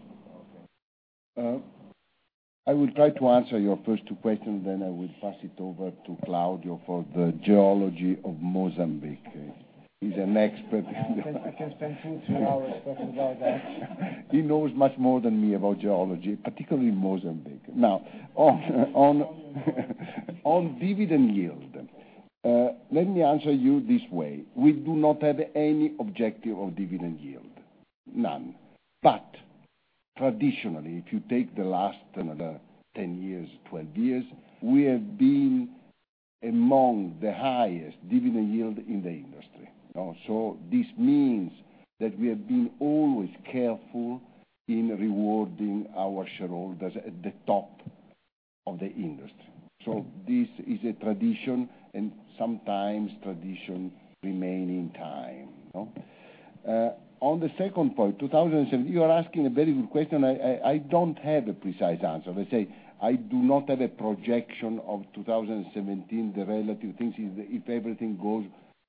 I will try to answer your first two questions, then I will pass it over to Claudio for the geology of Mozambique. He's an expert. I think we can spend two, three hours talking about that. He knows much more than me about geology, particularly Mozambique. On dividend yield, let me answer you this way. We do not have any objective of dividend yield, none. Traditionally, if you take the last 10 years, 12 years, we have been among the highest dividend yield in the industry. This means that we have been always careful in rewarding our shareholders at the top of the industry. This is a tradition, and sometimes tradition remain in time. On the second point, 2017, you are asking a very good question. I don't have a precise answer. As I say, I do not have a projection of 2017, the relative things, if everything goes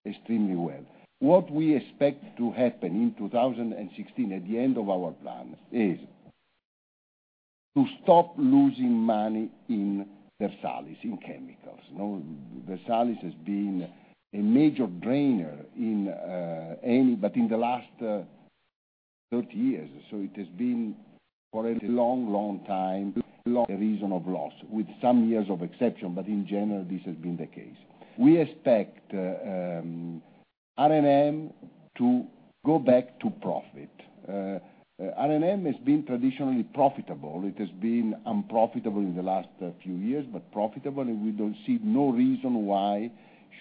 extremely well. What we expect to happen in 2016 at the end of our plan is to stop losing money in Versalis, in chemicals. Versalis has been a major drainer in Eni in the last 30 years. It has been for a long, long time, a reason of loss, with some years of exception, but in general, this has been the case. We expect R&M to go back to profit. R&M has been traditionally profitable. It has been unprofitable in the last few years, but profitable, and we see no reason why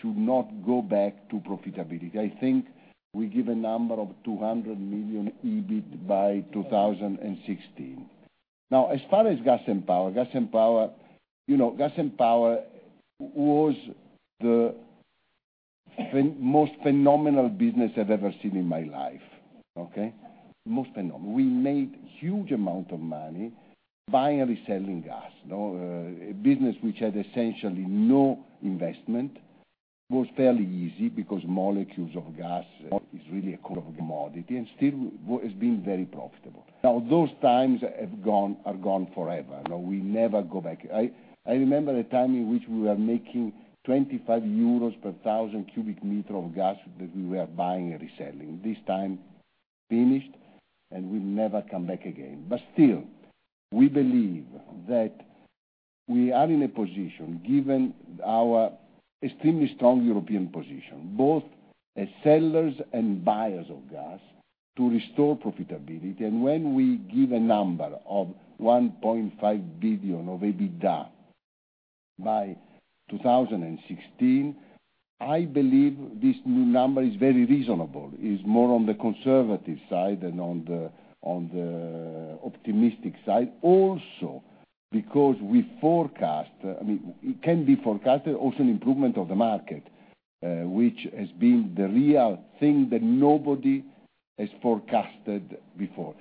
it should not go back to profitability. I think we give a number of 200 million EBIT by 2016. As far as Gas & Power, Gas & Power was the most phenomenal business I've ever seen in my life. Okay? Most phenomenal. We made huge amount of money buying and selling gas. A business which had essentially no investment, was fairly easy because molecules of gas is really a commodity, and still has been very profitable. Those times are gone forever. We never go back. I remember a time in which we were making €25 per 1,000 cubic meter of gas that we were buying and reselling. This time finished, and will never come back again. Still, we believe that we are in a position, given our extremely strong European position, both as sellers and buyers of gas, to restore profitability. When we give a number of 1.5 billion of EBITDA by 2016, I believe this new number is very reasonable, is more on the conservative side than on the optimistic side. Because we forecast, it can be forecasted also, an improvement of the market, which has been the real thing that nobody has forecasted before.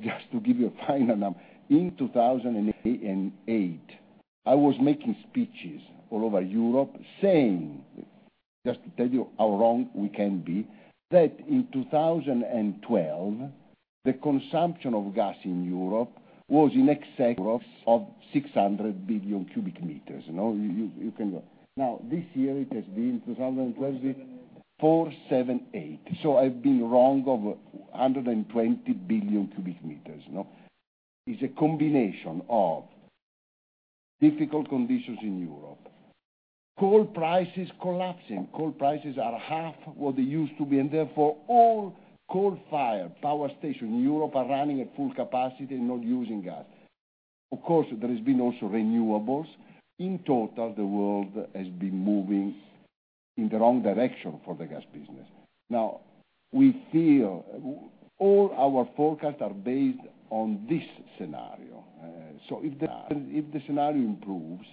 Just to give you a final number. In 2008, I was making speeches all over Europe saying, just to tell you how wrong we can be, that in 2012, the consumption of gas in Europe was in excess of 600 billion cubic meters. You can go. This year it has been, 2012. 478. 478. I've been wrong of 120 billion cubic meters. It's a combination of difficult conditions in Europe, coal prices collapsing. Coal prices are half what they used to be, and therefore all coal-fired power station in Europe are running at full capacity and not using gas. Of course, there has been also renewables. In total, the world has been moving in the wrong direction for the gas business. We feel all our forecasts are based on this scenario. If the scenario improves,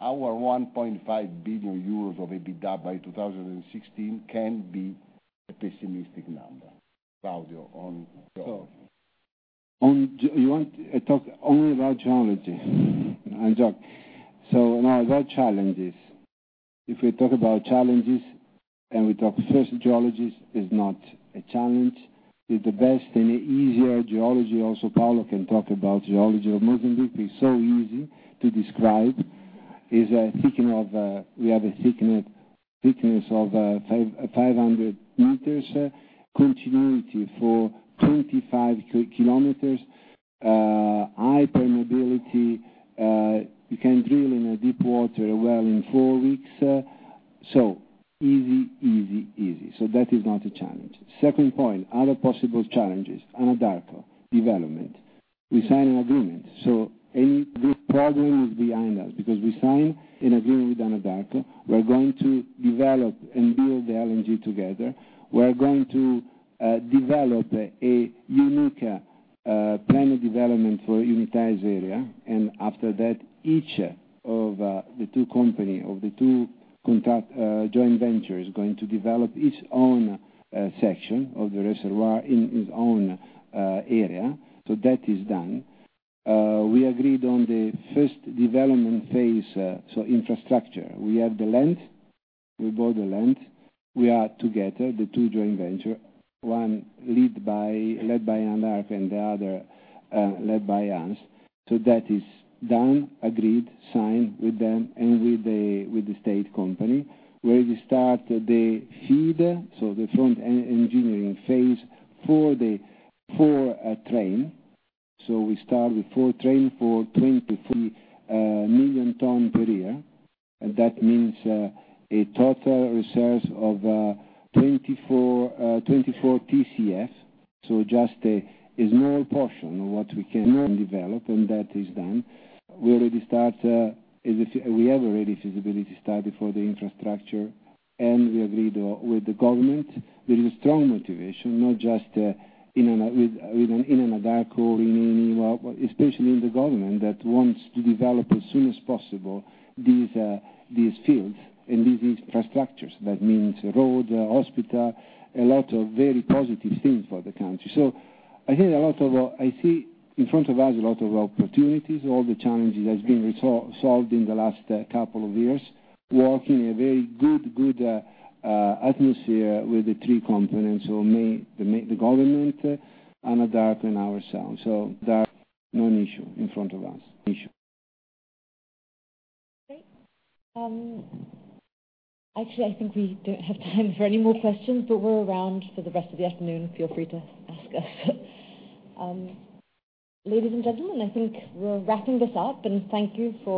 our €1.5 billion of EBITDA by 2016 can be a pessimistic number. Claudio, on geology. You want to talk only about geology? I joke. About challenges. If we talk about challenges, we talk first geology is not a challenge. It's the best and easier geology, also Paolo can talk about geology of Mozambique, is so easy to describe. We have a thickness of 500 meters, continuity for 25 kilometers, high permeability. You can drill in a deep water well in four weeks. Easy. That is not a challenge. Second point, other possible challenges, Anadarko development. We sign an agreement. This problem is behind us because we sign an agreement with Anadarko. We are going to develop and build the LNG together. We are going to develop a unique plan of development for unitized area. After that, each of the two company, of the two joint venture, is going to develop its own section of the reservoir in its own area. That is done. We agreed on the first development phase, so infrastructure. We have the land, we bought the land. We are together, the two joint venture, one led by Anadarko and the other led by us. That is done, agreed, signed with them and with the state company. We already start the FEED, so the front engineering phase for a train. We start with four train for 23 million ton per year. That means a total reserve of 24 TCF. Just a small portion of what we can develop. That is done. We have already feasibility study for the infrastructure. We agreed with the government. There is a strong motivation, not just with Anadarko, especially in the government that wants to develop as soon as possible these fields and these infrastructures. That means road, hospital, a lot of very positive things for the country. I see in front of us a lot of opportunities. All the challenges has been resolved in the last couple of years, working a very good atmosphere with the three components, the government, Anadarko, and ourselves. Anadarko, no issue in front of us. Great. I think we don't have time for any more questions. We're around for the rest of the afternoon. Feel free to ask us. Ladies and gentlemen, I think we're wrapping this up. Thank you for